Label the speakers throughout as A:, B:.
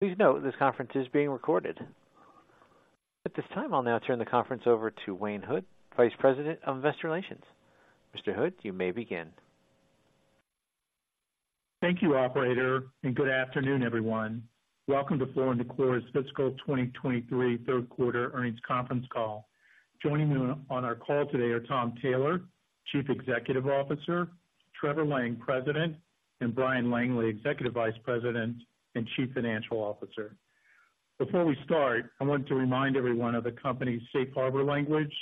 A: Please note, this conference is being recorded. At this time, I'll now turn the conference over to Wayne Hood, Vice President of Investor Relations. Mr. Hood, you may begin.
B: Thank you, operator, and good afternoon, everyone. Welcome to Floor & Decor's Fiscal 2023 Q3 Earnings Conference Call. Joining me on our call today are Tom Taylor, Chief Executive Officer, Trevor Lang, President, and Bryan Langley, Executive Vice President and Chief Financial Officer. Before we start, I want to remind everyone of the company's Safe Harbor language.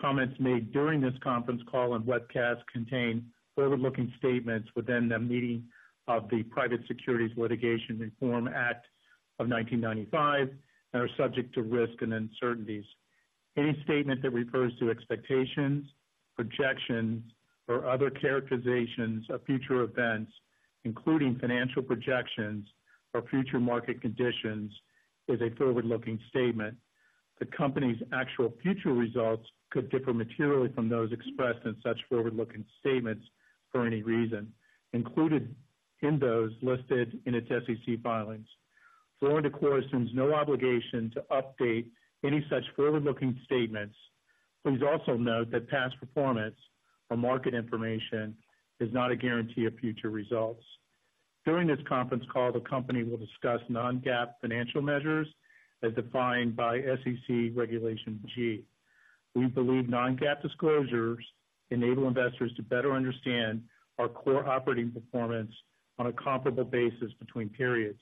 B: Comments made during this conference call and webcast contain forward-looking statements within the meaning of the Private Securities Litigation Reform Act of 1995 and are subject to risk and uncertainties. Any statement that refers to expectations, projections, or other characterizations of future events, including financial projections or future market conditions, is a forward-looking statement. The company's actual future results could differ materially from those expressed in such forward-looking statements for any reason, included in those listed in its SEC filings. Floor & Decor assumes no obligation to update any such forward-looking statements. Please also note that past performance or market information is not a guarantee of future results. During this conference call, the company will discuss non-GAAP financial measures as defined by SEC Regulation G. We believe non-GAAP disclosures enable investors to better understand our core operating performance on a comparable basis between periods.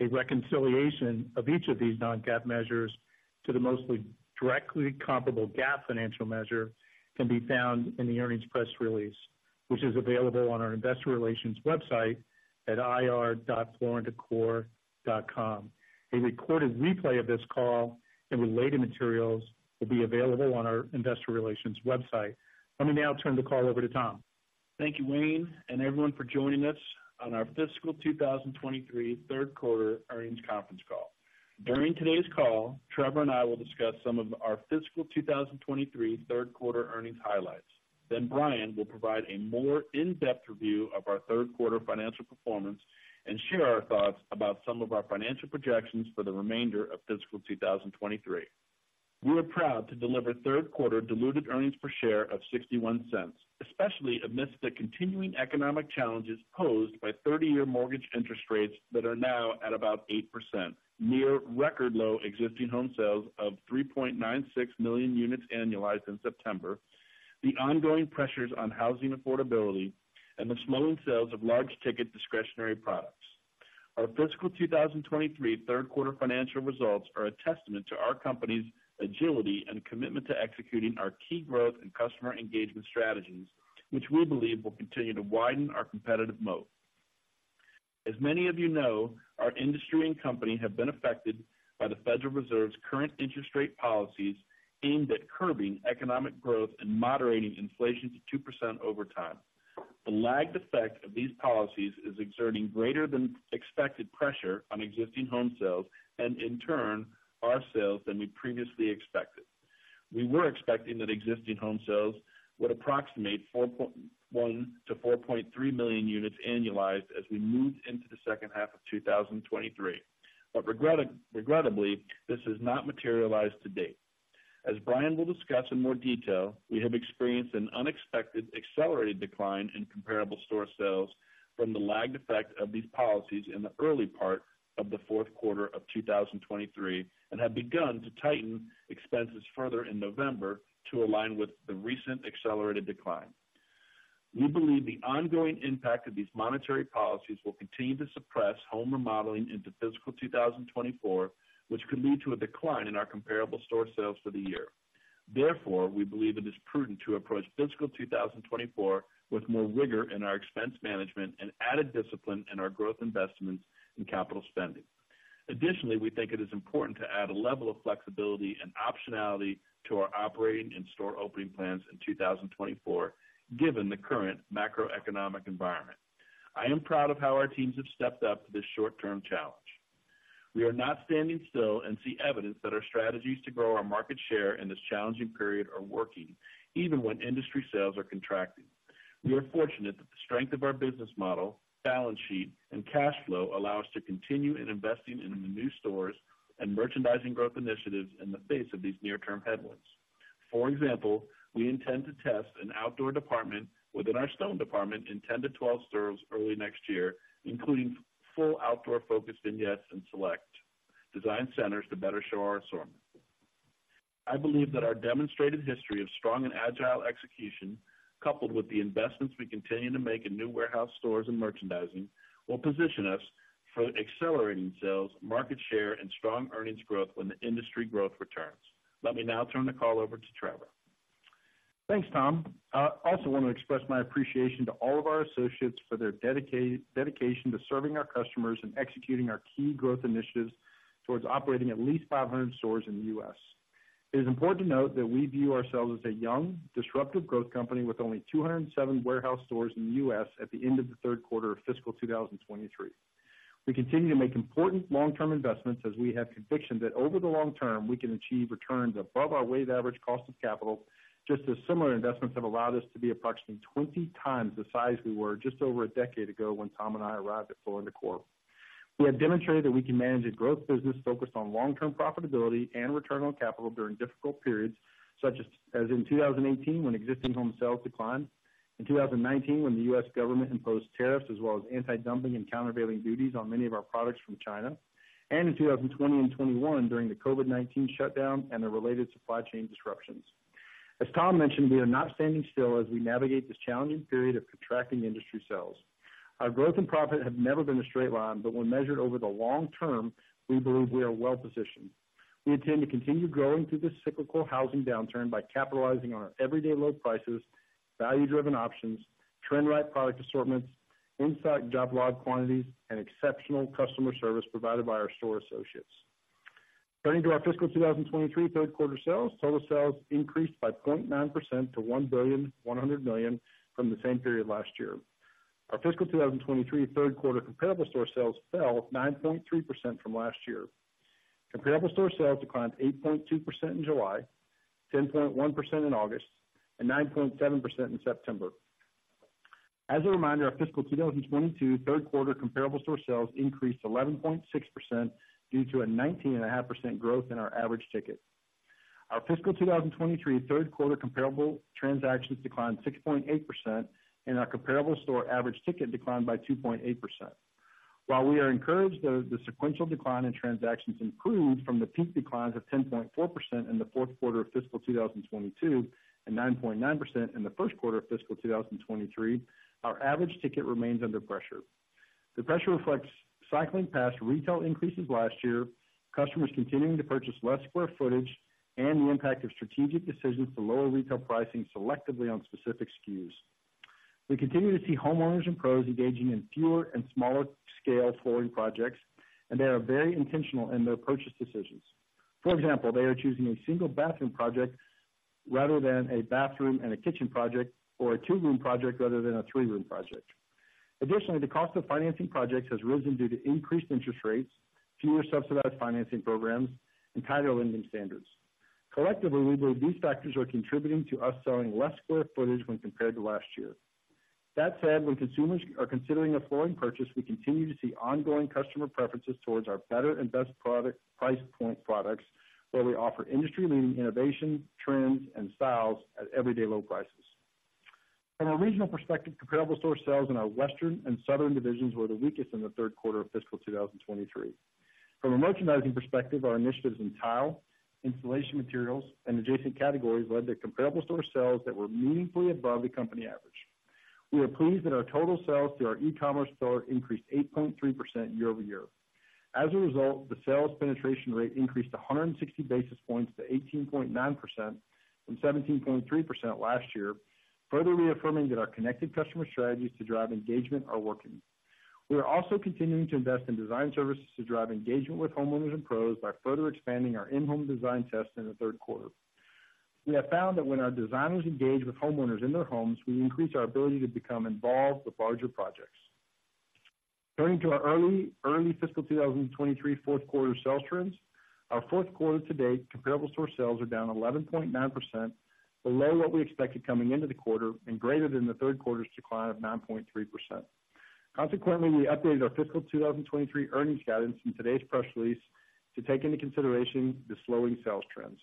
B: A reconciliation of each of these non-GAAP measures to the most directly comparable GAAP financial measure can be found in the earnings press release, which is available on our investor relations website at ir.flooranddecor.com. A recorded replay of this call and related materials will be available on our investor relations website. Let me now turn the call over to Tom.
C: Thank you, Wayne, and everyone for joining us on our fiscal 2023 Q3 Earnings Conference Call. During today's call, Trevor and I will discuss some of our fiscal 2023 Q3 Earnings highlights. Then Bryan will provide a more in-depth review of our Q3 financial performance and share our thoughts about some of our financial projections for the remainder of fiscal 2023. We are proud to deliver Q3 diluted earnings per share of $0.61, especially amidst the continuing economic challenges posed by 30-year mortgage interest rates that are now at about 8%, near record low existing home sales of 3.96 million units annualized in September, the ongoing pressures on housing affordability, and the slowing sales of large-ticket discretionary products. Our fiscal 2023 Q3 financial results are a testament to our company's agility and commitment to executing our key growth and customer engagement strategies, which we believe will continue to widen our competitive moat. As many of you know, our industry and company have been affected by the Federal Reserve's current interest rate policies aimed at curbing economic growth and moderating inflation to 2% over time. The lagged effect of these policies is exerting greater than expected pressure on existing home sales and, in turn, our sales than we previously expected. We were expecting that existing home sales would approximate 4.1-4.3 million units annualized as we moved into the second half of 2023. But regrettably, this has not materialized to date. As Bryan will discuss in more detail, we have experienced an unexpected, accelerated decline in comparable store sales from the lagged effect of these policies in the early part of the Q4 of 2023, and have begun to tighten expenses further in November to align with the recent accelerated decline. We believe the ongoing impact of these monetary policies will continue to suppress home remodeling into fiscal 2024, which could lead to a decline in our comparable store sales for the year. Therefore, we believe it is prudent to approach fiscal 2024 with more rigor in our expense management and added discipline in our growth investments and capital spending. Additionally, we think it is important to add a level of flexibility and optionality to our operating and store opening plans in 2024, given the current macroeconomic environment. I am proud of how our teams have stepped up to this short-term challenge. We are not standing still and see evidence that our strategies to grow our market share in this challenging period are working, even when industry sales are contracting. We are fortunate that the strength of our business model, balance sheet, and cash flow allow us to continue in investing in the new stores and merchandising growth initiatives in the face of these near-term headwinds. For example, we intend to test an outdoor department within our stone department in 10-12 stores early next year, including full outdoor-focused vignettes and select design centers to better show our assortment. kI believe that our demonstrated history of strong and agile execution, coupled with the investments we continue to make in new warehouse stores and merchandising, will position us for accelerating sales, market share, and strong earnings growth when the industry growth returns. Let me now turn the call over to Trevor.
D: Thanks, Tom. I also want to express my appreciation to all of our associates for their dedication to serving our customers and executing our key growth initiatives towards operating at least 500 stores in the US. It is important to note that we view ourselves as a young, disruptive growth company with only 207 warehouse stores in the US at the end of the Q3 of fiscal 2023. We continue to make important long-term investments, as we have conviction that over the long term, we can achieve returns above our weighted average cost of capital, just as similar investments have allowed us to be approximately 20 times the size we were just over a decade ago when Tom and I arrived at Floor & Decor.... we have demonstrated that we can manage a growth business focused on long-term profitability and return on capital during difficult periods, such as, as in 2018, when existing home sales declined, in 2019 when the U.S. government imposed tariffs as well as anti-dumping and countervailing duties on many of our products from China, and in 2020 and 2021, during the COVID-19 shutdown and the related supply chain disruptions. As Tom mentioned, we are not standing still as we navigate this challenging period of contracting industry sales. Our growth and profit have never been a straight line, but when measured over the long term, we believe we are well positioned. We intend to continue growing through this cyclical housing downturn by capitalizing on our everyday low prices, value-driven options, trend-right product assortments, in-stock job log quantities, and exceptional customer service provided by our store associates. Turning to our fiscal 2023 Q3 sales, total sales increased by 0.9% to $1.1 billion from the same period last year. Our fiscal 2023 Q3 comparable store sales fell 9.3% from last year. Comparable store sales declined 8.2% in July, 10.1% in August, and 9.7% in September. As a reminder, our fiscal 2022 Q3 comparable store sales increased 11.6% due to a 19.5% growth in our average ticket. Our fiscal 2023 Q3 comparable transactions declined 6.8%, and our comparable store average ticket declined by 2.8%. While we are encouraged that the sequential decline in transactions improved from the peak declines of 10.4% in the Q4 of fiscal 2022 and 9.9% in the Q1 of fiscal 2023, our average ticket remains under pressure. The pressure reflects cycling past retail increases last year, customers continuing to purchase less square footage, and the impact of strategic decisions to lower retail pricing selectively on specific SKUs. We continue to see homeowners and pros engaging in fewer and smaller scale flooring projects, and they are very intentional in their purchase decisions. For example, they are choosing a single bathroom project rather than a bathroom and a kitchen project, or a two-room project rather than a three-room project. Additionally, the cost of financing projects has risen due to increased interest rates, fewer subsidized financing programs, and tighter lending standards. Collectively, we believe these factors are contributing to us selling less square footage when compared to last year. That said, when consumers are considering a flooring purchase, we continue to see ongoing customer preferences towards our better and best product, price point products, where we offer industry-leading innovation, trends, and styles at everyday low prices. From a regional perspective, comparable store sales in our Western and Southern divisions were the weakest in the Q3 of fiscal 2023. From a merchandising perspective, our initiatives in tile, installation materials, and adjacent categories led to comparable store sales that were meaningfully above the company average. We are pleased that our total sales through our e-commerce store increased 8.3% year-over-year. As a result, the sales penetration rate increased 160 basis points to 18.9% from 17.3% last year, further reaffirming that our connected customer strategies to drive engagement are working. We are also continuing to invest in design services to drive engagement with homeowners and pros by further expanding our in-home design test in the Q3. We have found that when our designers engage with homeowners in their homes, we increase our ability to become involved with larger projects. Turning to our early fiscal 2023 Q4 sales trends, our Q4 to date, comparable store sales are down 11.9%, below what we expected coming into the quarter, and greater than the Q3's decline of 9.3%. Consequently, we updated our fiscal 2023 earnings guidance in today's press release to take into consideration the slowing sales trends.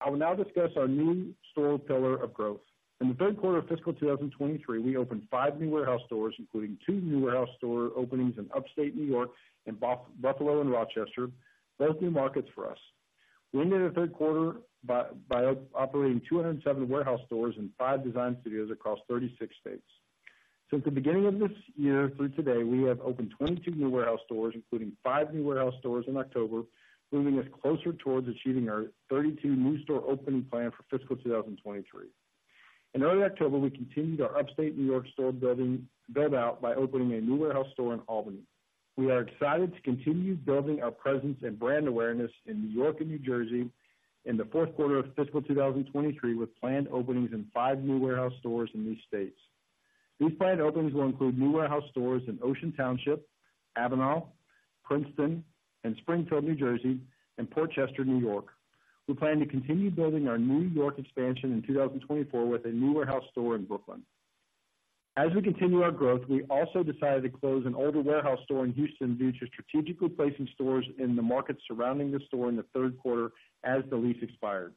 D: I will now discuss our new store pillar of growth. In the Q3 of fiscal 2023, we opened 5 new warehouse stores, including two new warehouse store openings in Upstate New York and Buffalo and Rochester, both new markets for us. We ended the Q3 by operating 207 warehouse stores and 5 design studios across 36 states. Since the beginning of this year through today, we have opened 22 new warehouse stores, including 5 new warehouse stores in October, moving us closer towards achieving our 32 new store opening plan for fiscal 2023. In early October, we continued our Upstate New York store building, build out by opening a new warehouse store in Albany. We are excited to continue building our presence and brand awareness in New York and New Jersey in the Q4 of fiscal 2023, with planned openings in five new warehouse stores in these states. These planned openings will include new warehouse stores in Ocean Township, Absecon, Princeton, and Springfield, New Jersey, and Port Chester, New York. We plan to continue building our New York expansion in 2024 with a new warehouse store in Brooklyn, New York. As we continue our growth, we also decided to close an older warehouse store in Houston, Texas due to strategically placing stores in the market surrounding the store in the Q3 as the lease expired.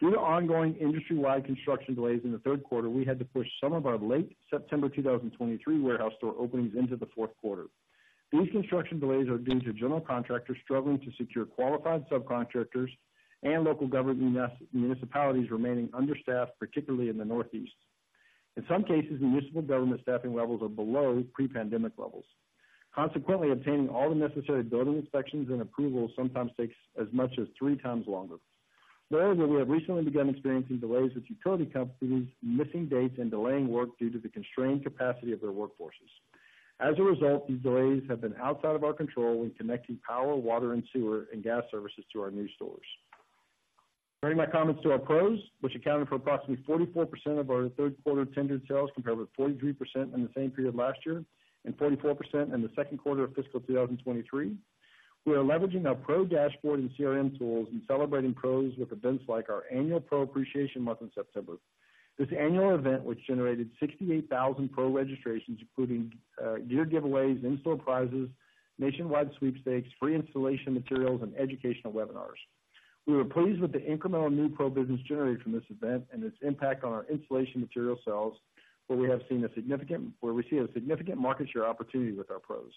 D: Due to ongoing industry-wide construction delays in the Q3, we had to push some of our late September 2023 warehouse store openings into the Q4. These construction delays are due to general contractors struggling to secure qualified subcontractors and local government municipalities remaining understaffed, particularly in the Northeast. In some cases, municipal government staffing levels are below pre-pandemic levels. Consequently, obtaining all the necessary building inspections and approvals sometimes takes as much as three times longer. Further, we have recently begun experiencing delays with utility companies, missing dates and delaying work due to the constrained capacity of their workforces. As a result, these delays have been outside of our control when connecting power, water and sewer, and gas services to our new stores. Turning my comments to our pros, which accounted for approximately 44% of our Q3 net sales, compared with 43% in the same period last year, and 44% in Q2 of fiscal 2023.... We are leveraging our pro dashboard and CRM tools and celebrating pros with events like our annual Pro Appreciation Month in September. This annual event, which generated 68,000 pro registrations, including year giveaways, in-store prizes, nationwide sweepstakes, free installation materials, and educational webinars. We were pleased with the incremental new pro business generated from this event and its impact on our installation material sales, where we see a significant market share opportunity with our pros.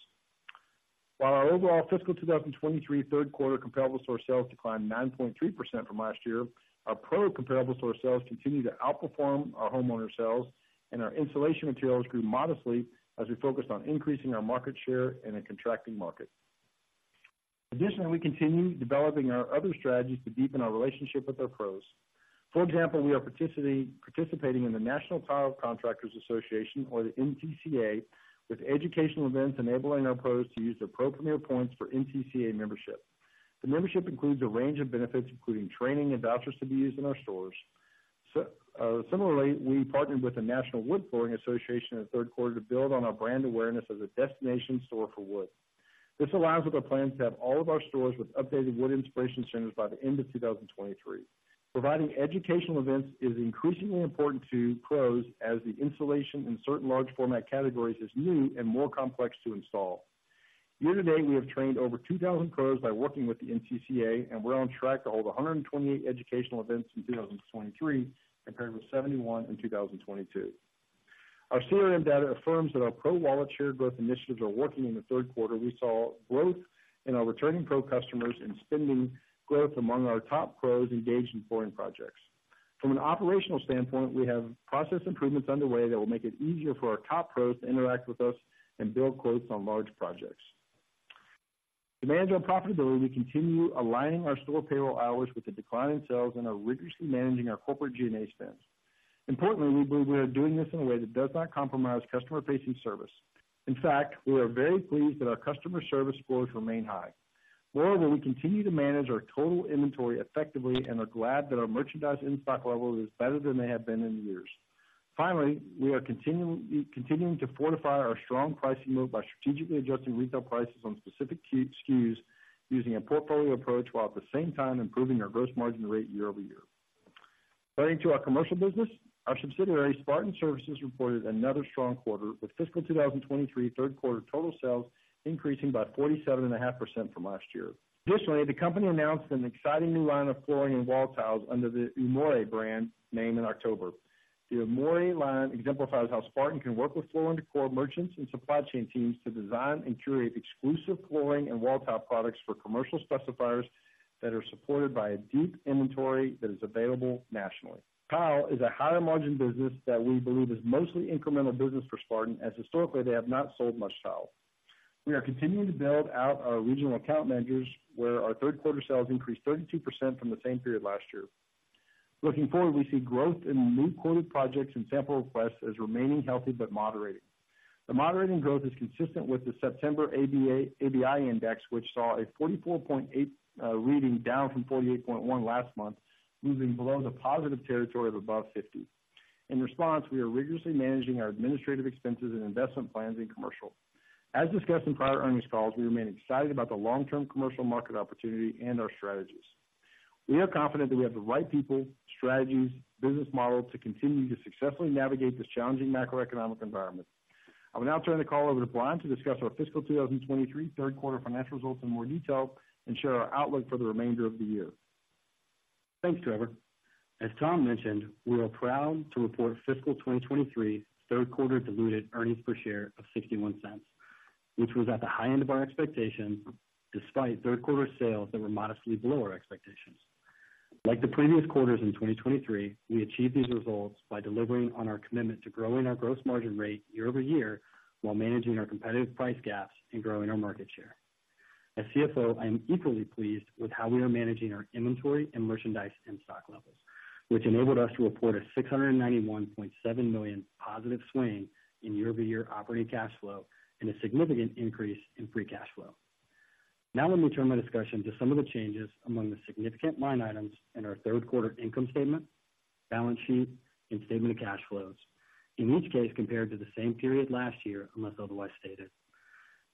D: While our overall fiscal 2023 Q3 comparable store sales declined 9.3% from last year, our pro comparable store sales continue to outperform our homeowner sales, and our installation materials grew modestly as we focused on increasing our market share in a contracting market. Additionally, we continue developing our other strategies to deepen our relationship with our pros. For example, we are participating in the National Tile Contractors Association, or the NTCA, with educational events enabling our pros to use their PRO Premier points for NTCA membership. The membership includes a range of benefits, including training and vouchers to be used in our stores. Similarly, we partnered with the National Wood Flooring Association in the Q3 to build on our brand awareness as a destination store for wood. This aligns with our plans to have all of our stores with updated wood inspiration centers by the end of 2023. Providing educational events is increasingly important to pros as the installation in certain large format categories is new and more complex to install. Year to date, we have trained over 2,000 pros by working with the NTCA, and we're on track to hold 128 educational events in 2023, compared with 71 in 2022. Our CRM data affirms that our pro wallet share growth initiatives are working. In the Q3, we saw growth in our returning pro customers and spending growth among our top pros engaged in flooring projects. From an operational standpoint, we have process improvements underway that will make it easier for our top pros to interact with us and build quotes on large projects. To manage our profitability, we continue aligning our store payroll hours with the decline in sales and are rigorously managing our corporate G&A spends. Importantly, we believe we are doing this in a way that does not compromise customer-facing service. In fact, we are very pleased that our customer service scores remain high. Moreover, we continue to manage our total inventory effectively and are glad that our merchandise in-stock level is better than they have been in years. Finally, we are continuing to fortify our strong pricing move by strategically adjusting retail prices on specific SKUs, using a portfolio approach, while at the same time improving our gross margin rate year over year. Turning to our commercial business, our subsidiary, Spartan Surfaces, reported another strong quarter, with fiscal 2023 Q3 total sales increasing by 47.5% from last year. Additionally, the company announced an exciting new line of flooring and wall tiles under the Umore brand name in October. The Umore line exemplifies how Spartan can work with Floor & Decor merchants and supply chain teams to design and curate exclusive flooring and wall tile products for commercial specifiers that are supported by a deep inventory that is available nationally. Tile is a higher-margin business that we believe is mostly incremental business for Spartan, as historically, they have not sold much tile. We are continuing to build out our regional account managers, where our Q3 sales increased 32% from the same period last year. Looking forward, we see growth in new quoted projects and sample requests as remaining healthy but moderating. The moderating growth is consistent with the September ABI index, which saw a 44.8 reading, down from 48.1 last month, moving below the positive territory of above 50. In response, we are rigorously managing our administrative expenses and investment plans in commercial. As discussed in prior earnings calls, we remain excited about the long-term commercial market opportunity and our strategies. We are confident that we have the right people, strategies, business model to continue to successfully navigate this challenging macroeconomic environment. I will now turn the call over to Bryan to discuss our fiscal 2023 Q3 financial results in more detail and share our outlook for the remainder of the year.
E: Thanks, Trevor. As Tom mentioned, we are proud to report fiscal 2023 Q3 diluted earnings per share of $0.61, which was at the high end of our expectation, despite Q3 sales that were modestly below our expectations. Like the previous quarters in 2023, we achieved these results by delivering on our commitment to growing our gross margin rate year-over-year, while managing our competitive price gaps and growing our market share. As CFO, I am equally pleased with how we are managing our inventory and merchandise in-stock levels, which enabled us to report a $691.7 million positive swing in year-over-year operating cash flow and a significant increase in free cash flow. Now, let me turn my discussion to some of the changes among the significant line items in our Q3 income statement, balance sheet, and statement of cash flows. In each case, compared to the same period last year, unless otherwise stated.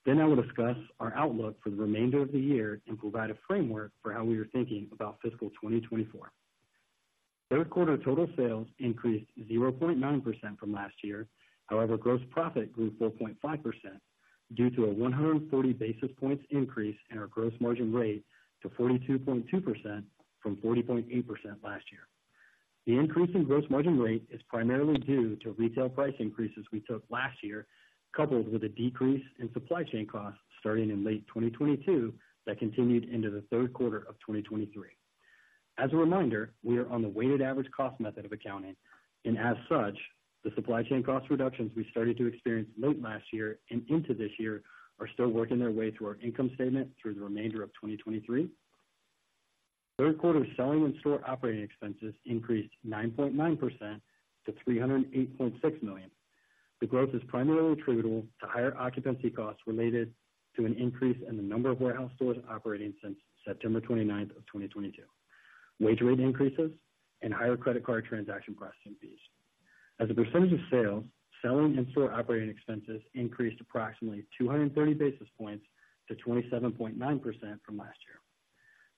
E: Then I will discuss our outlook for the remainder of the year and provide a framework for how we are thinking about fiscal 2024. Third quarter total sales increased 0.9% from last year. However, gross profit grew 4.5%, due to a 100 basis points increase in our gross margin rate to 42.2% from 40.8% last year. The increase in gross margin rate is primarily due to retail price increases we took last year, coupled with a decrease in supply chain costs starting in late 2022, that continued into the Q3 of 2023. As a reminder, we are on the weighted average cost method of accounting, and as such, the supply chain cost reductions we started to experience late last year and into this year are still working their way through our income statement through the remainder of 2023. Third quarter selling and store operating expenses increased 9.9% to $308.6 million. The growth is primarily attributable to higher occupancy costs related to an increase in the number of warehouse stores operating since September 29, 2022, wage rate increases, and higher credit card transaction processing fees. As a percentage of sales, selling and store operating expenses increased approximately 230 basis points to 27.9% from last year.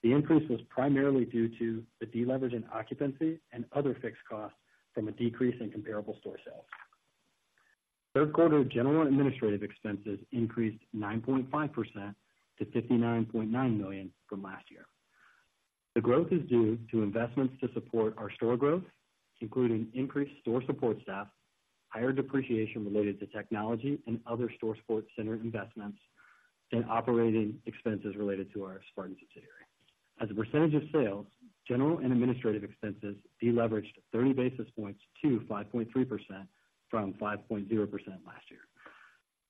E: The increase was primarily due to the deleverage in occupancy and other fixed costs from a decrease in comparable store sales. Third quarter general and administrative expenses increased 9.5% to $59.9 million from last year. The growth is due to investments to support our store growth, including increased store support staff, higher depreciation related to technology and other store support center investments, and operating expenses related to our Spartan subsidiary. As a percentage of sales, general and administrative expenses deleveraged 30 basis points to 5.3% from 5.0% last year,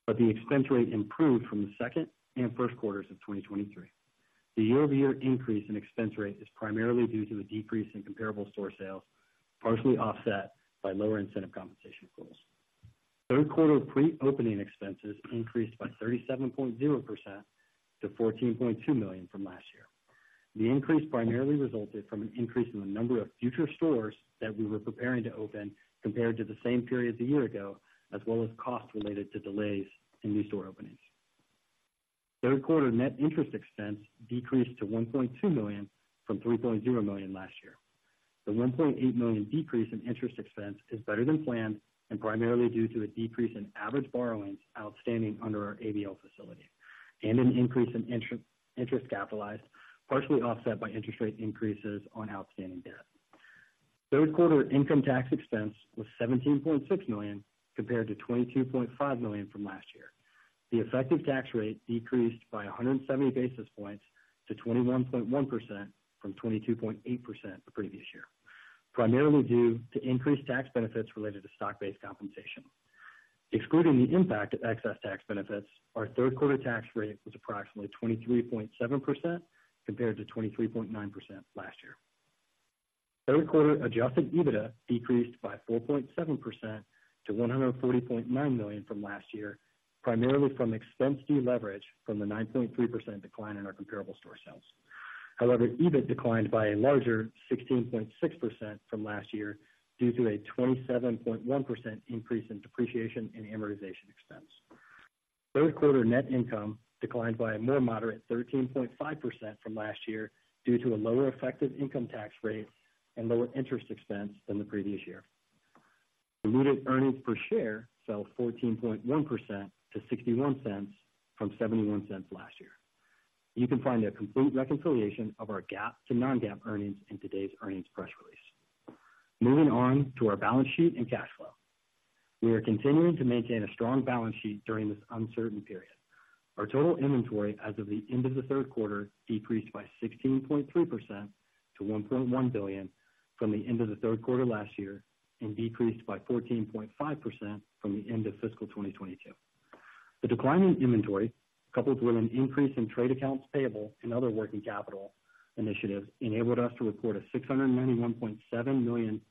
E: but the expense rate improved from the second and Q1s of 2023. The year-over-year increase in expense rate is primarily due to a decrease in comparable store sales, partially offset by lower incentive compensation pools. Third quarter pre-opening expenses increased by 37.0% to $14.2 million from last year. The increase primarily resulted from an increase in the number of future stores that we were preparing to open compared to the same period a year ago, as well as costs related to delays in new store openings. Third quarter net interest expense decreased to $1.2 million from $3.0 million last year. The $1.8 million decrease in interest expense is better than planned and primarily due to a decrease in average borrowings outstanding under our ABL facility and an increase in interest capitalized, partially offset by interest rate increases on outstanding debt. Third quarter income tax expense was $17.6 million, compared to $22.5 million from last year. The effective tax rate decreased by 170 basis points to 21.1% from 22.8% the previous year, primarily due to increased tax benefits related to stock-based compensation. Excluding the impact of excess tax benefits, our Q3 tax rate was approximately 23.7% compared to 23.9% last year. Third quarter adjusted EBITDA decreased by 4.7% to $140.9 million from last year, primarily from expense deleverage from the 9.3% decline in our comparable store sales. However, EBIT declined by a larger 16.6% from last year due to a 27.1% increase in depreciation and amortization expense. Third quarter net income declined by a more moderate 13.5% from last year due to a lower effective income tax rate and lower interest expense than the previous year. Diluted earnings per share fell 14.1% to $0.61 from $0.71 last year. You can find a complete reconciliation of our GAAP to non-GAAP earnings in today's earnings press release. Moving on to our balance sheet and cash flow. We are continuing to maintain a strong balance sheet during this uncertain period. Our total inventory as of the end of the Q3 decreased by 16.3% to $1.1 billion from the end of the Q3 last year, and decreased by 14.5% from the end of fiscal 2022. The decline in inventory, coupled with an increase in trade accounts payable and other working capital initiatives, enabled us to report a $691.7 million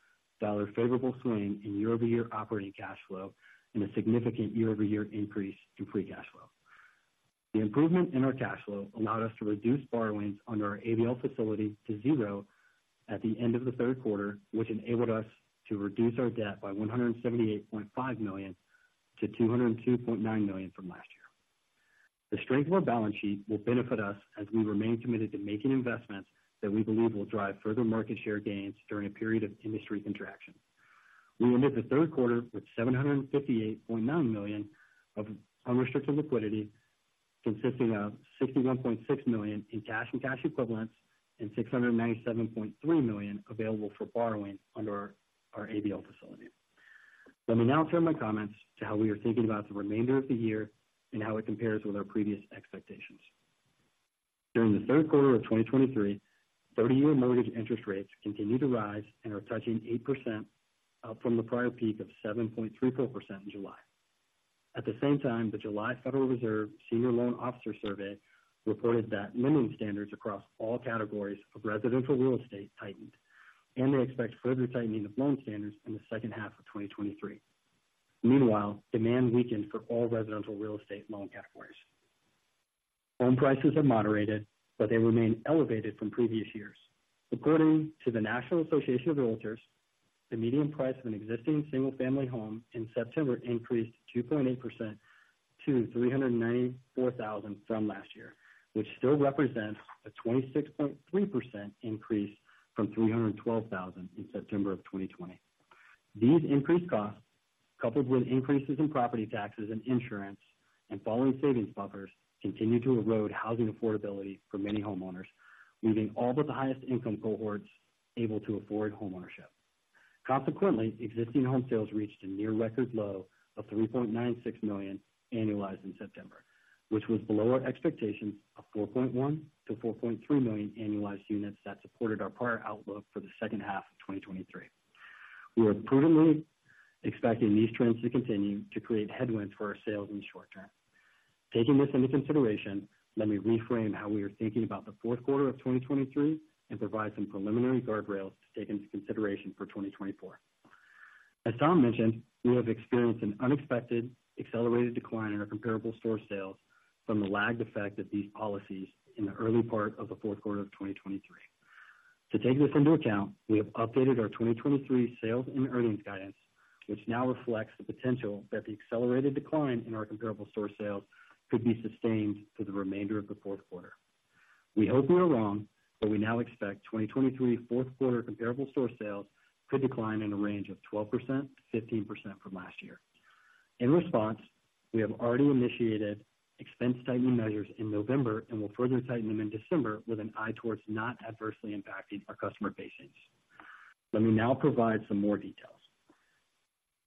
E: favorable swing in year-over-year operating cash flow and a significant year-over-year increase in free cash flow. The improvement in our cash flow allowed us to reduce borrowings under our ABL facility to zero at the end of the Q3, which enabled us to reduce our debt by $178.5 million to $202.9 million from last year. The strength of our balance sheet will benefit us as we remain committed to making investments that we believe will drive further market share gains during a period of industry contraction. We ended the Q3 with $758.9 million of unrestricted liquidity, consisting of $61.6 million in cash and cash equivalents and $697.3 million available for borrowing under our ABL facility. Let me now turn my comments to how we are thinking about the remainder of the year and how it compares with our previous expectations. During the Q3 of 2023, 30-year mortgage interest rates continued to rise and are touching 8%, up from the prior peak of 7.34% in July. At the same time, the July Federal Reserve Senior Loan Officer Survey reported that lending standards across all categories of residential real estate tightened, and they expect further tightening of loan standards in the second half of 2023. Meanwhile, demand weakened for all residential real estate loan categories. Home prices have moderated, but they remain elevated from previous years. According to the National Association of Realtors, the median price of an existing single-family home in September increased 2.8% to $394,000 from last year, which still represents a 26.3% increase from $312,000 in September of 2020. These increased costs, coupled with increases in property taxes and insurance and falling savings buffers, continue to erode housing affordability for many homeowners, leaving all but the highest income cohorts able to afford homeownership. Consequently, existing home sales reached a near record low of 3.96 million annualized in September, which was below our expectations of 4.1-4.3 million annualized units that supported our prior outlook for the second half of 2023. We are prudently expecting these trends to continue to create headwinds for our sales in the short term. Taking this into consideration, let me reframe how we are thinking about the Q4 of 2023 and provide some preliminary guardrails to take into consideration for 2024. As Tom mentioned, we have experienced an unexpected accelerated decline in our comparable store sales from the lagged effect of these policies in the early part of the Q4 of 2023. To take this into account, we have updated our 2023 sales and earnings guidance, which now reflects the potential that the accelerated decline in our comparable store sales could be sustained for the remainder of the Q4. We hope we are wrong, but we now expect 2023 Q4 comparable store sales to decline in a range of 12%-15% from last year. In response, we have already initiated expense tightening measures in November and will further tighten them in December with an eye towards not adversely impacting our customer base. Let me now provide some more details.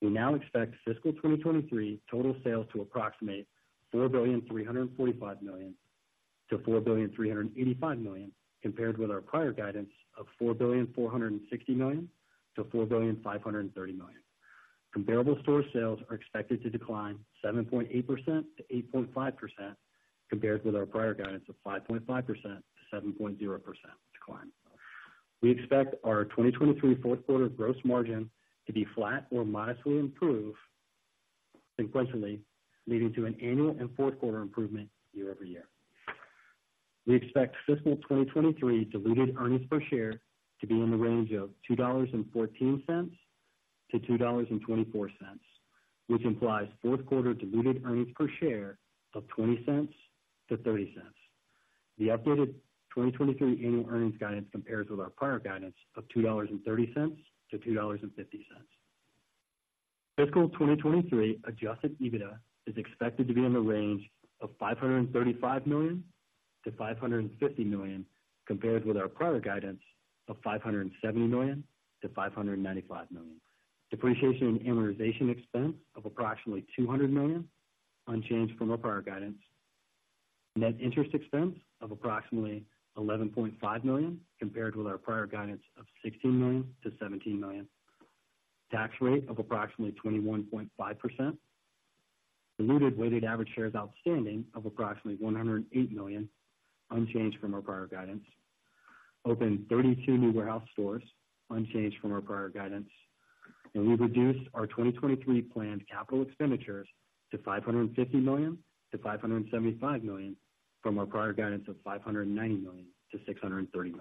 E: We now expect fiscal 2023 total sales to approximate $4.345 billion-$4.385 billion, compared with our prior guidance of $4.460 billion-$4.530 billion. Comparable store sales are expected to decline 7.8%-8.5%, compared with our prior guidance of 5.5%-7.0% decline. We expect our 2023 Q4 gross margin to be flat or modestly improve sequentially, leading to an annual and Q4 improvement year-over-year. We expect fiscal 2023 diluted earnings per share to be in the range of $2.14-$2.24, which implies Q4 diluted earnings per share of $0.20-$0.30. The updated 2023 annual earnings guidance compares with our prior guidance of $2.30-$2.50. Fiscal 2023 Adjusted EBITDA is expected to be in the range of $535 million-$550 million, compared with our prior guidance of $570 million-$595 million. Depreciation and amortization expense of approximately $200 million, unchanged from our prior guidance. Net interest expense of approximately $11.5 million, compared with our prior guidance of $16 million-$17 million. Tax rate of approximately 21.5%. Diluted weighted average shares outstanding of approximately 108 million, unchanged from our prior guidance. Opened 32 new warehouse stores, unchanged from our prior guidance, and we reduced our 2023 planned capital expenditures to $550 million-$575 million from our prior guidance of $590 million-$630 million.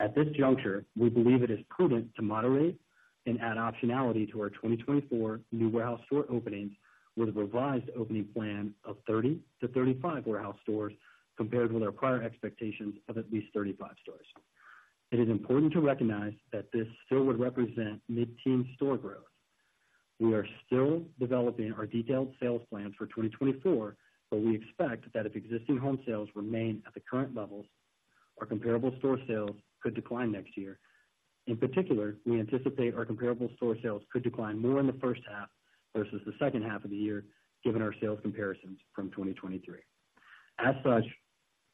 E: At this juncture, we believe it is prudent to moderate and add optionality to our 2024 new warehouse store openings with a revised opening plan of 30-35 warehouse stores, compared with our prior expectations of at least 35 stores. It is important to recognize that this still would represent mid-teen store growth. We are still developing our detailed sales plans for 2024, but we expect that if existing home sales remain at the current levels, our comparable store sales could decline next year. In particular, we anticipate our comparable store sales could decline more in the first half versus the second half of the year, given our sales comparisons from 2023. As such,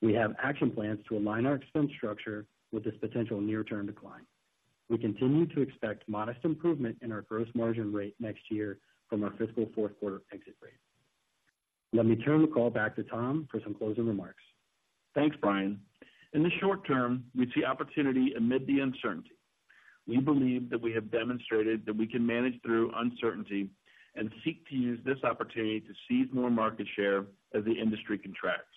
E: we have action plans to align our expense structure with this potential near-term decline. We continue to expect modest improvement in our gross margin rate next year from our fiscal Q4 exit rate. Let me turn the call back to Tom for some closing remarks.
C: Thanks, Bryan. In the short term, we see opportunity amid the uncertainty. We believe that we have demonstrated that we can manage through uncertainty and seek to use this opportunity to seize more market share as the industry contracts.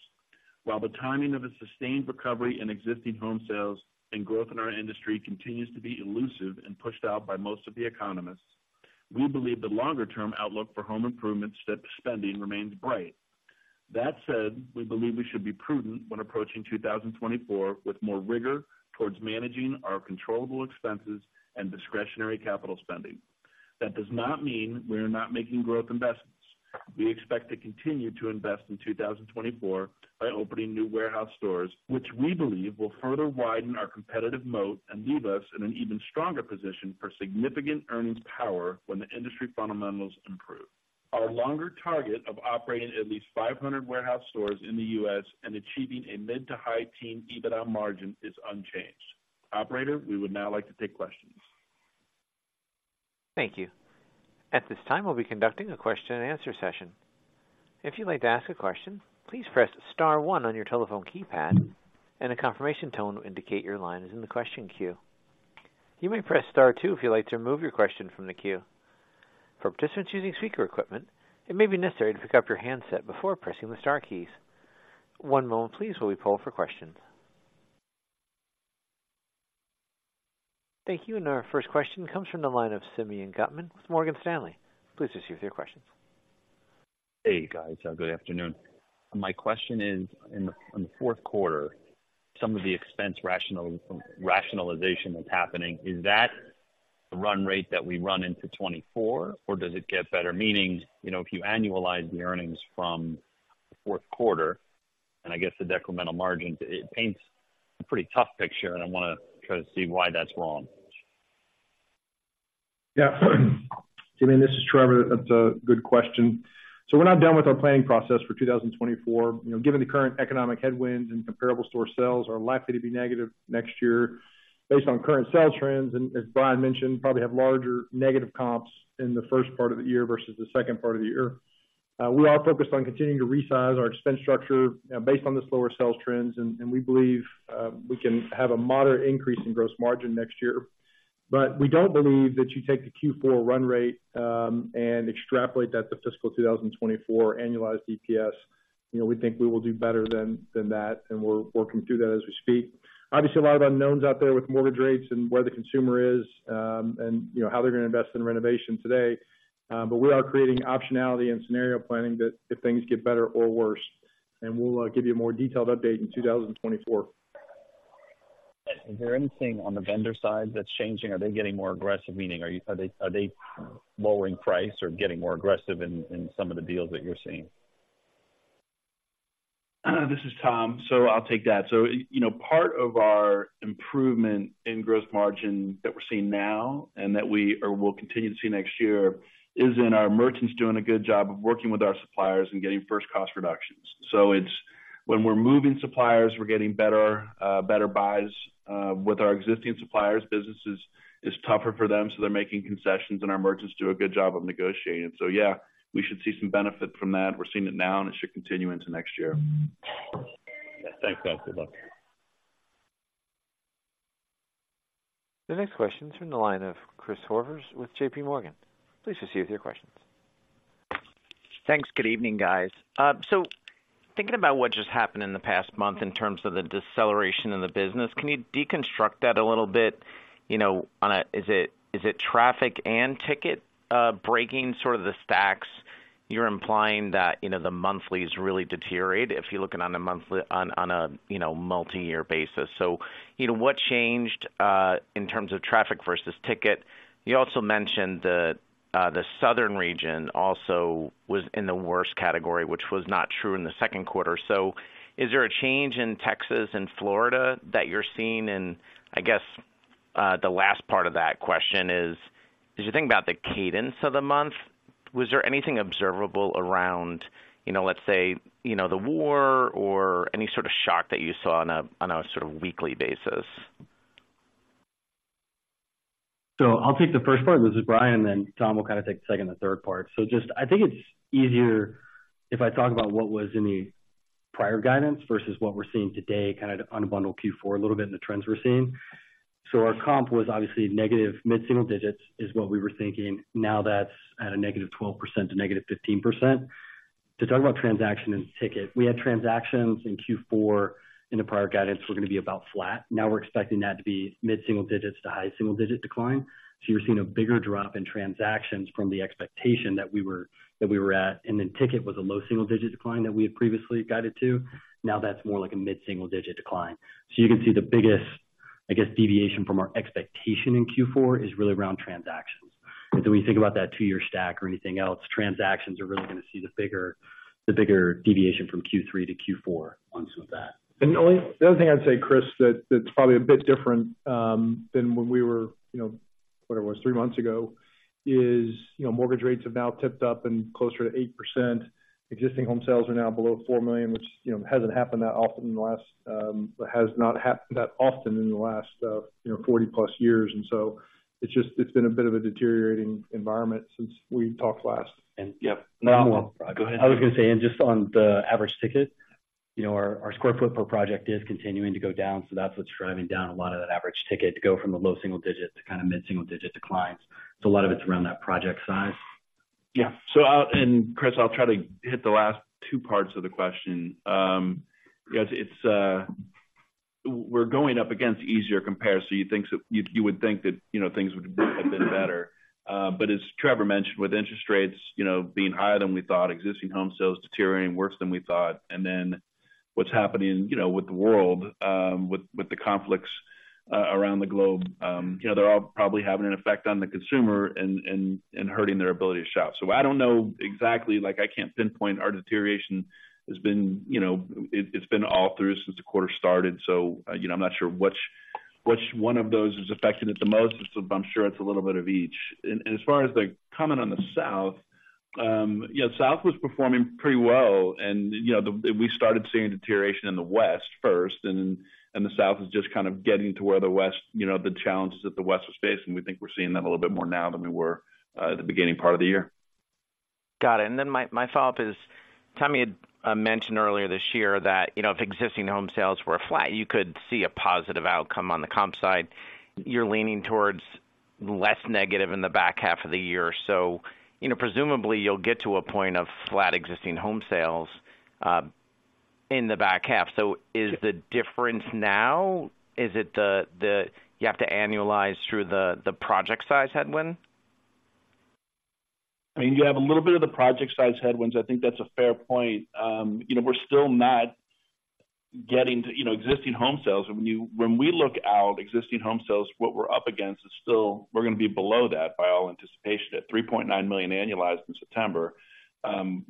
C: While the timing of a sustained recovery in existing home sales and growth in our industry continues to be elusive and pushed out by most of the economists, we believe the longer-term outlook for home improvement spending remains bright. That said, we believe we should be prudent when approaching 2024 with more rigor towards managing our controllable expenses and discretionary capital spending. That does not mean we are not making growth investments. We expect to continue to invest in 2024 by opening new warehouse stores, which we believe will further widen our competitive moat and leave us in an even stronger position for significant earnings power when the industry fundamentals improve. Our longer target of operating at least 500 warehouse stores in the U.S. and achieving a mid- to high-teens EBITDA margin is unchanged. Operator, we would now like to take questions.
A: Thank you. At this time, we'll be conducting a question-and-answer session. If you'd like to ask a question, please press star one on your telephone keypad, and a confirmation tone will indicate your line is in the question queue. You may press star two if you'd like to remove your question from the queue. For participants using speaker equipment, it may be necessary to pick up your handset before pressing the star keys. One moment, please, while we poll for questions. Thank you. Our first question comes from the line of Simeon Gutman with Morgan Stanley. Please proceed with your questions.
F: Hey, guys, good afternoon. My question is, in the Q4, some of the expense rationalization that's happening, is that the run rate that we run into 2024, or does it get better? Meaning, you know, if you annualize the earnings from the Q4, and I guess the decremental margins, it paints a pretty tough picture, and I want to kind of see why that's wrong.
D: Yeah, Simeon, this is Trevor. That's a good question. So we're not done with our planning process for 2024. You know, given the current economic headwinds and comparable store sales are likely to be negative next year based on current sales trends, and as Bryan mentioned, probably have larger negative comps in the first part of the year versus the second part of the year. We are focused on continuing to resize our expense structure based on the slower sales trends, and we believe we can have a moderate increase in gross margin next year. ... but we don't believe that you take the Q4 run rate, and extrapolate that to fiscal 2024 annualized EPS. You know, we think we will do better than, than that, and we're working through that as we speak. Obviously, a lot of unknowns out there with mortgage rates and where the consumer is, and, you know, how they're going to invest in renovation today. But we are creating optionality and scenario planning that if things get better or worse, and we'll give you a more detailed update in 2024.
F: Is there anything on the vendor side that's changing? Are they getting more aggressive? Meaning, are they lowering price or getting more aggressive in some of the deals that you're seeing?
C: This is Tom, so I'll take that. So, you know, part of our improvement in gross margin that we're seeing now and that we-- or will continue to see next year, is in our merchants doing a good job of working with our suppliers and getting first cost reductions. So it's when we're moving suppliers, we're getting better, better buys, with our existing suppliers. Business is tougher for them, so they're making concessions, and our merchants do a good job of negotiating. So yeah, we should see some benefit from that. We're seeing it now, and it should continue into next year.
G: Thanks, guys. Good luck.
A: The next question is from the line of Chris Horvers with JP Morgan. Please proceed with your questions.
H: Thanks. Good evening, guys. So thinking about what just happened in the past month in terms of the deceleration in the business, can you deconstruct that a little bit? You know, on a... Is it, is it traffic and ticket, breaking sort of the stacks? You're implying that, you know, the monthlies really deteriorate if you're looking on a monthly, on a multi-year basis. So, you know, what changed in terms of traffic versus ticket? You also mentioned the southern region also was in the worst category, which was not true in Q2. So is there a change in Texas and Florida that you're seeing? I guess, the last part of that question is, as you think about the cadence of the month, was there anything observable around, you know, let's say, you know, the war or any sort of shock that you saw on a sort of weekly basis?
E: So I'll take the first part. This is Bryan, and then Tom will kind of take the second and third part. So just I think it's easier if I talk about what was in the prior guidance versus what we're seeing today, kind of unbundle Q4 a little bit and the trends we're seeing. So our comp was obviously negative mid-single digits is what we were thinking. Now that's at a -12% to -15%. To talk about transaction and ticket, we had transactions in Q4 in the prior guidance were going to be about flat. Now we're expecting that to be mid-single digits to high single-digit decline. So you're seeing a bigger drop in transactions from the expectation that we were, that we were at, and then ticket was a low single-digit decline that we had previously guided to. Now that's more like a mid-single-digit decline. You can see the biggest, I guess, deviation from our expectation in Q4 is really around transactions. When you think about that two-year stack or anything else, transactions are really going to see the bigger deviation from Q3 to Q4 on some of that.
D: And the only other thing I'd say, Chris, that, that's probably a bit different than when we were, you know, whatever it was, three months ago, is, you know, mortgage rates have now tipped up and closer to 8%. Existing home sales are now below 4 million, which, you know, hasn't happened that often in the last 40+ years. And so it's just, it's been a bit of a deteriorating environment since we talked last.
E: Yep. No, go ahead. I was going to say, and just on the average ticket, you know, our square foot per project is continuing to go down. So that's what's driving down a lot of that average ticket to go from a low single digit to kind of mid single digit declines. So a lot of it's around that project size.
C: Yeah. Chris, I'll try to hit the last two parts of the question. Because it's, we're going up against easier compares, so you would think that, you know, things would have been better. But as Trevor mentioned, with interest rates, you know, being higher than we thought, existing home sales deteriorating worse than we thought, and then what's happening, you know, with the world, with the conflicts around the globe, you know, they're all probably having an effect on the consumer and hurting their ability to shop. So I don't know exactly, like, I can't pinpoint our deterioration has been, you know, it, it's been all through since the quarter started, so, you know, I'm not sure which one of those is affecting it the most. I'm sure it's a little bit of each. As far as the comment on the South, yeah, South was performing pretty well, and, you know, we started seeing deterioration in the West first, and then the South is just kind of getting to where the West, you know, the challenges that the West was facing. We think we're seeing that a little bit more now than we were at the beginning part of the year.
H: Got it. And then my, my follow-up is, Tommy had mentioned earlier this year that, you know, if existing home sales were flat, you could see a positive outcome on the comp side. You're leaning towards less negative in the back half of the year. So, you know, presumably you'll get to a point of flat existing home sales in the back half. So is the difference now, is it the, the, you have to annualize through the, the project size headwind?
C: I mean, you have a little bit of the project size headwinds. I think that's a fair point. You know, we're still not getting to, you know, existing home sales. When we look out existing home sales, what we're up against is still, we're going to be below that by all anticipation, at 3.9 million annualized in September.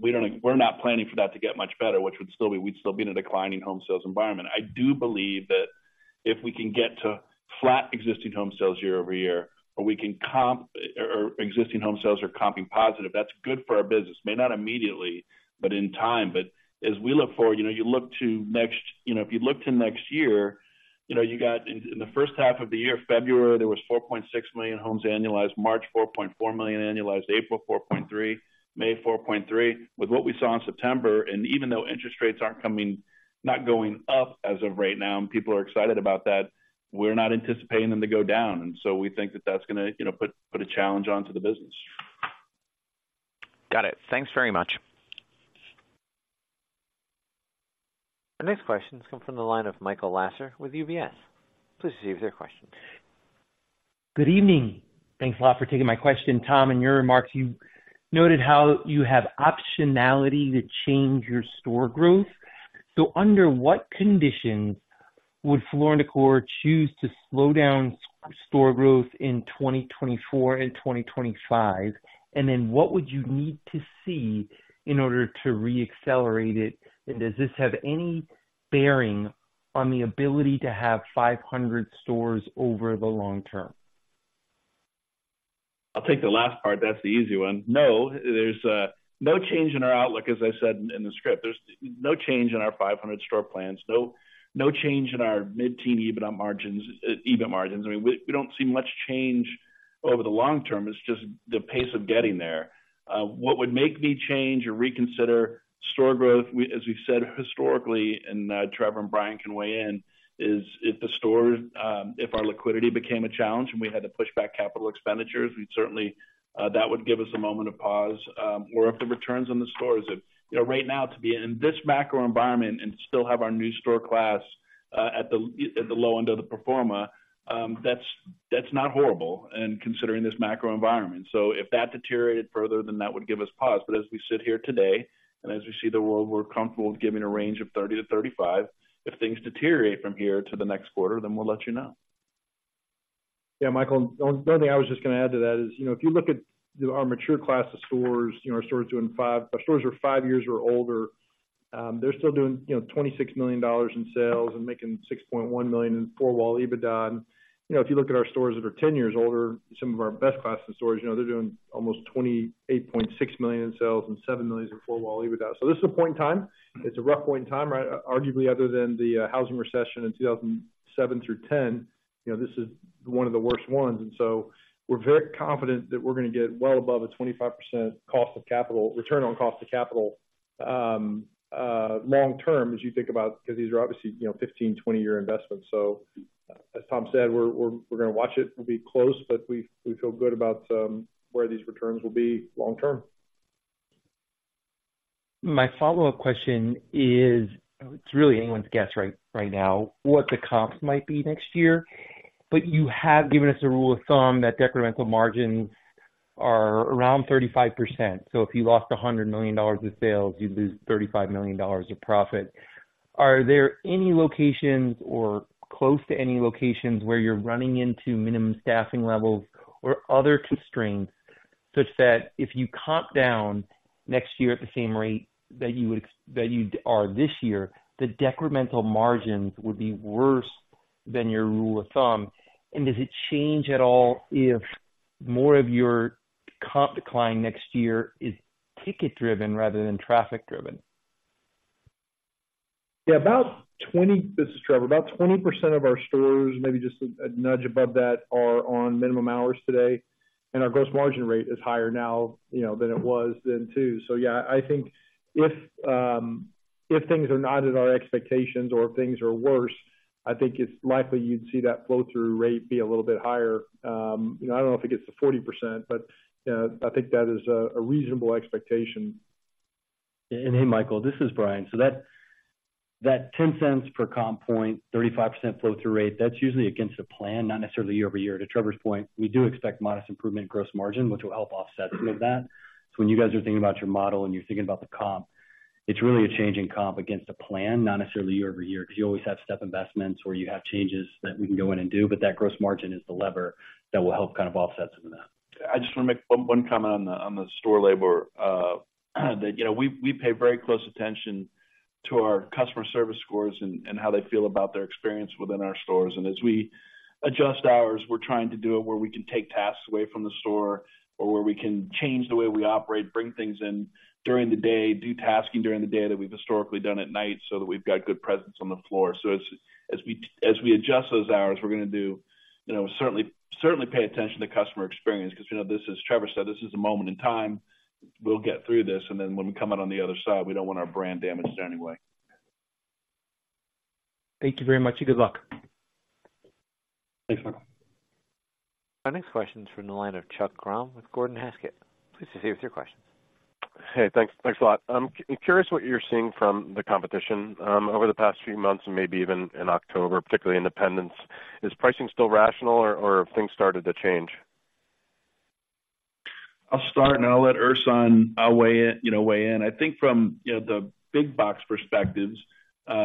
C: We don't, we're not planning for that to get much better, which would still be, we'd still be in a declining home sales environment. I do believe that if we can get to flat existing home sales year-over-year, or we can comp, or existing home sales are comping positive, that's good for our business. May not immediately, but in time. But as we look forward, you know, you look to next... You know, if you look to next year, you know, you got in, in the first half of the year, February, there was 4.6 million homes annualized, March, 4.4 million annualized, April, 4.3, May, 4.3. With what we saw in September, and even though interest rates aren't coming, not going up as of right now, and people are excited about that, we're not anticipating them to go down. And so we think that that's gonna, you know, put, put a challenge onto the business....
H: Got it. Thanks very much.
A: The next question comes from the line of Michael Lasser with UBS. Please proceed with your question.
I: Good evening. Thanks a lot for taking my question. Tom, in your remarks, you noted how you have optionality to change your store growth. Under what conditions would Floor & Decor choose to slow down store growth in 2024 and 2025? And then what would you need to see in order to reaccelerate it? And does this have any bearing on the ability to have 500 stores over the long term?
C: I'll take the last part. That's the easy one. No, there's no change in our outlook, as I said in the script. There's no change in our 500 store plans, no, no change in our mid-teen EBITDA margins, EBIT margins. I mean, we don't see much change over the long term. It's just the pace of getting there. What would make me change or reconsider store growth, as we've said historically, and Trevor and Bryan can weigh in, is if the stores, if our liquidity became a challenge and we had to push back capital expenditures, we'd certainly that would give us a moment of pause, or if the returns on the stores, if... You know, right now, to be in this macro environment and still have our new store class at the low end of the pro forma, that's not horrible and considering this macro environment. So if that deteriorated further, then that would give us pause. But as we sit here today, and as we see the world, we're comfortable with giving a range of 30-35. If things deteriorate from here to the next quarter, then we'll let you know.
D: Yeah, Michael, the only thing I was just going to add to that is, you know, if you look at our mature class of stores, you know, our stores doing five—our stores are 5 years or older, they're still doing, you know, $26 million in sales and making $6.1 million in four-wall EBITDA. You know, if you look at our stores that are 10 years older, some of our best classes of stores, you know, they're doing almost $28.6 million in sales and $7 million in four-wall EBITDA. So this is a point in time. It's a rough point in time, right? Arguably, other than the housing recession in 2007 through 2010, you know, this is one of the worst ones. We're very confident that we're going to get well above a 25% cost of capital, return on cost of capital long term, as you think about, because these are obviously, you know, 15-, 20-year investments. So as Tom said, we're going to watch it. We'll be close, but we feel good about where these returns will be long term.
I: My follow-up question is, it's really anyone's guess right, right now, what the comps might be next year, but you have given us a rule of thumb that decremental margins are around 35%. So if you lost $100 million in sales, you'd lose $35 million of profit. Are there any locations or close to any locations where you're running into minimum staffing levels or other constraints such that if you comp down next year at the same rate that you would expect that you are this year, the decremental margins would be worse than your rule of thumb? And does it change at all if more of your comp decline next year is ticket driven rather than traffic driven?
D: Yeah, this is Trevor. About 20% of our stores, maybe just a nudge above that, are on minimum hours today, and our gross margin rate is higher now, you know, than it was then, too. So yeah, I think if things are not at our expectations or if things are worse, I think it's likely you'd see that flow-through rate be a little bit higher. You know, I don't know if it gets to 40%, but I think that is a reasonable expectation.
E: Hey, Michael, this is Bryan. So that, that $0.10 per comp point, 35% flow-through rate, that's usually against the plan, not necessarily year-over-year. To Trevor's point, we do expect modest improvement in gross margin, which will help offset some of that. So when you guys are thinking about your model and you're thinking about the comp, it's really a change in comp against the plan, not necessarily year-over-year, because you always have step investments where you have changes that we can go in and do, but that gross margin is the lever that will help kind of offset some of that.
C: I just want to make one comment on the store labor, that you know, we pay very close attention to our customer service scores and how they feel about their experience within our stores. And as we adjust hours, we're trying to do it where we can take tasks away from the store or where we can change the way we operate, bring things in during the day, do tasking during the day that we've historically done at night, so that we've got good presence on the floor. So as we adjust those hours, we're going to do you know, certainly pay attention to customer experience, because you know, this is... Trevor said, this is a moment in time. We'll get through this, and then when we come out on the other side, we don't want our brand damaged in any way.
I: Thank you very much, and good luck.
C: Thanks, Michael.
A: Our next question is from the line of Chuck Grom with Gordon Haskett. Please proceed with your question.
J: Hey, thanks. Thanks a lot. I'm curious what you're seeing from the competition over the past few months and maybe even in October, particularly independents. Is pricing still rational or have things started to change?
C: I'll start, and I'll let Ersan weigh in, you know, weigh in. I think from you know the big box perspectives, you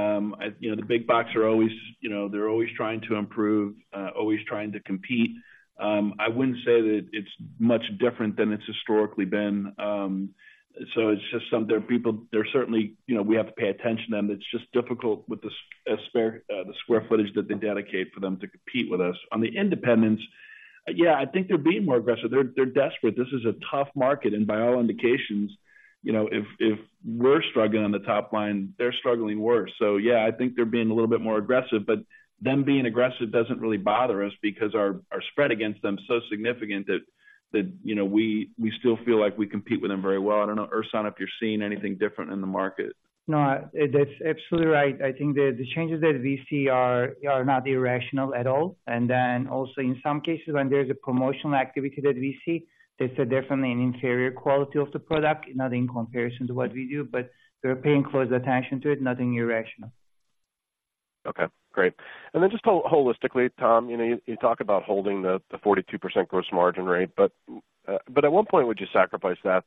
C: know, the big box are always, you know, they're always trying to improve, always trying to compete. I wouldn't say that it's much different than it's historically been. So it's just... There are certainly, you know, we have to pay attention, and it's just difficult with the square footage that they dedicate for them to compete with us. On the independents, yeah, I think they're being more aggressive. They're desperate. This is a tough market, and by all indications, you know, if we're struggling on the top line, they're struggling worse. So yeah, I think they're being a little bit more aggressive, but them being aggressive doesn't really bother us because our spread against them is so significant that, you know, we still feel like we compete with them very well. I don't know, Ersan, if you're seeing anything different in the market.
K: No, that's absolutely right. I think the changes that we see are not irrational at all. And then also, in some cases, when there's a promotional activity that we see, there's definitely an inferior quality of the product, not in comparison to what we do, but we're paying close attention to it, nothing irrational....
J: Okay, great. And then just holistically, Tom, you know, you talk about holding the 42% gross margin rate, but at what point would you sacrifice that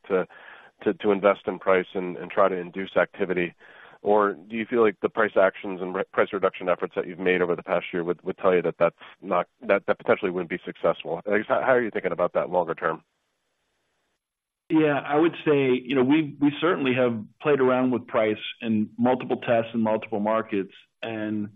J: to invest in price and try to induce activity? Or do you feel like the price actions and price reduction efforts that you've made over the past year would tell you that that's not that potentially wouldn't be successful? I guess, how are you thinking about that longer term?
D: Yeah, I would say, you know, we certainly have played around with price in multiple tests, in multiple markets, and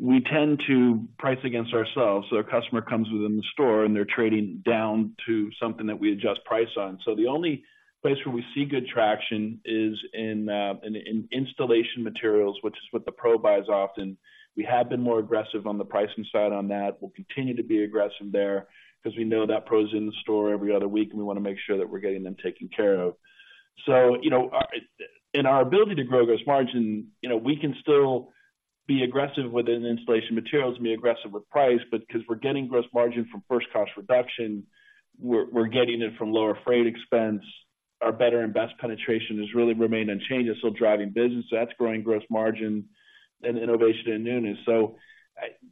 D: we tend to price against ourselves. So our customer comes within the store, and they're trading down to something that we adjust price on. So the only place where we see good traction is in installation materials, which is what the pro buys often. We have been more aggressive on the pricing side on that. We'll continue to be aggressive there because we know that pro's in the store every other week, and we want to make sure that we're getting them taken care of. So, you know, in our ability to grow gross margin, you know, we can still be aggressive within installation materials and be aggressive with price, but because we're getting gross margin from first cost reduction, we're getting it from lower freight expense. Our better and best penetration has really remained unchanged. It's still driving business, so that's growing gross margin and innovation and newness. So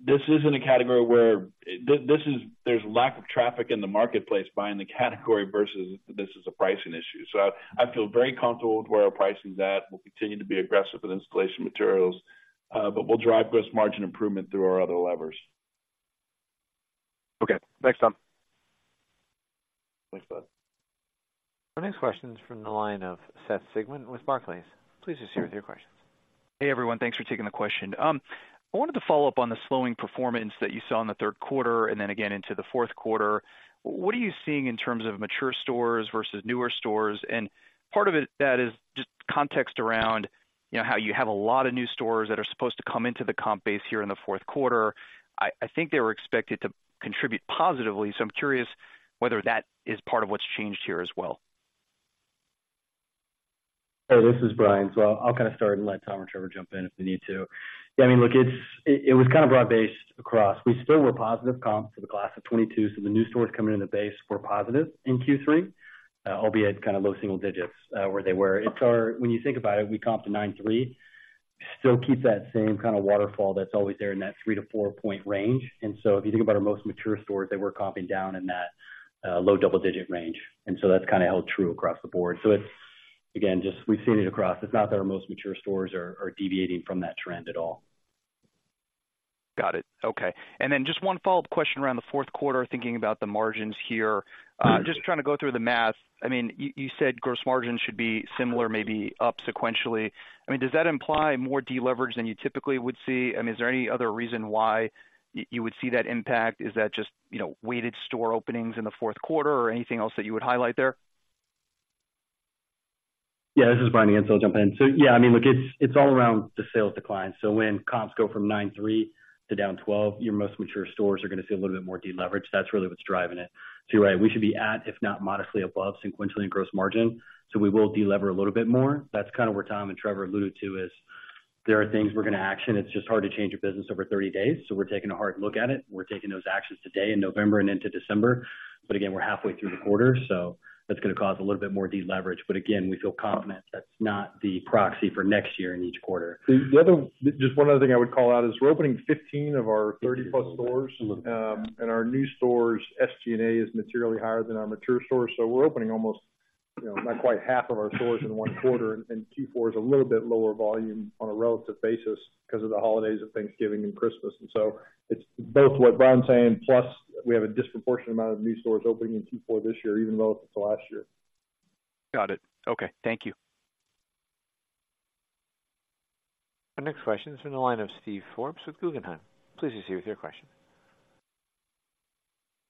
D: this isn't a category where... This is, there's lack of traffic in the marketplace buying the category versus this is a pricing issue. So I feel very comfortable with where our pricing is at, and we'll continue to be aggressive with installation materials, but we'll drive gross margin improvement through our other levers.
J: Okay. Thanks, Tom.
D: Thanks, Bud.
A: Our next question is from the line of Seth Sigman with Barclays. Please proceed with your questions.
L: Hey, everyone. Thanks for taking the question. I wanted to follow up on the slowing performance that you saw in the Q3 and then again into the Q4. What are you seeing in terms of mature stores versus newer stores? And part of it, that is just context around, you know, how you have a lot of new stores that are supposed to come into the comp base here in the Q4. I think they were expected to contribute positively, so I'm curious whether that is part of what's changed here as well.
E: Hey, this is Bryan. So I'll kind of start and let Tom and Trevor jump in if we need to. Yeah, I mean, look, it's. It was kind of broad-based across. We still were positive comps to the class of 2022, so the new stores coming into base were positive in Q3, albeit kind of low single digits, where they were. It's, when you think about it, we comped to -3, still keep that same kind of waterfall that's always there in that 3-4 point range. And so if you think about our most mature stores, they were comping down in that low double-digit range. And so that's kind of held true across the board. So it's, again, just we've seen it across. It's not that our most mature stores are deviating from that trend at all.
L: Got it. Okay. And then just one follow-up question around the Q4, thinking about the margins here. Just trying to go through the math. I mean, you said gross margin should be similar, maybe up sequentially. I mean, does that imply more deleverage than you typically would see? I mean, is there any other reason why you would see that impact? Is that just, you know, weighted store openings in the Q4 or anything else that you would highlight there?
E: Yeah, this is Bryan again, so I'll jump in. So yeah, I mean, look, it's, it's all around the sales decline. So when comps go from 9.3 to down 12, your most mature stores are going to see a little bit more deleverage. That's really what's driving it. So you're right, we should be at, if not modestly above, sequentially in gross margin, so we will delever a little bit more. That's kind of where Tom and Trevor alluded to, is there are things we're going to action. It's just hard to change a business over 30 days, so we're taking a hard look at it. We're taking those actions today in November and into December, but again, we're halfway through the quarter, so that's going to cause a little bit more deleverage. But again, we feel confident that's not the proxy for next year in each quarter.
D: The other just one other thing I would call out is we're opening 15 of our 30-plus stores, and our new stores, SG&A, is materially higher than our mature stores. So we're opening almost, you know, not quite half of our stores in one quarter, and Q4 is a little bit lower volume on a relative basis because of the holidays of Thanksgiving and Christmas. And so it's both what Bryan's saying, plus we have a disproportionate amount of new stores opening in Q4 this year, even though it's the last year.
L: Got it. Okay. Thank you.
A: Our next question is from the line of Steve Forbes with Guggenheim. Please proceed with your question.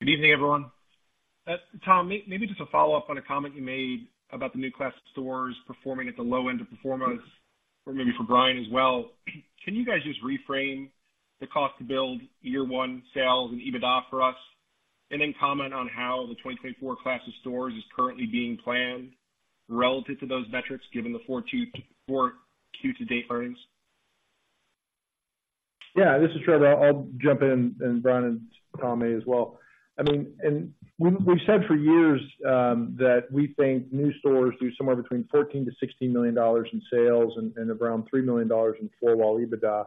M: Good evening, everyone. Tom, maybe just a follow-up on a comment you made about the new class of stores performing at the low end of pro formas, or maybe for Bryan as well. Can you guys just reframe the cost to build year one sales and EBITDA for us, and then comment on how the 2024 class of stores is currently being planned relative to those metrics, given the 4Q to date earnings?
D: Yeah, this is Trevor. I'll jump in, and Bryan and Tom may as well. I mean, and we, we've said for years, that we think new stores do somewhere between $14 million-$16 million in sales and around $3 million in four-wall EBITDA.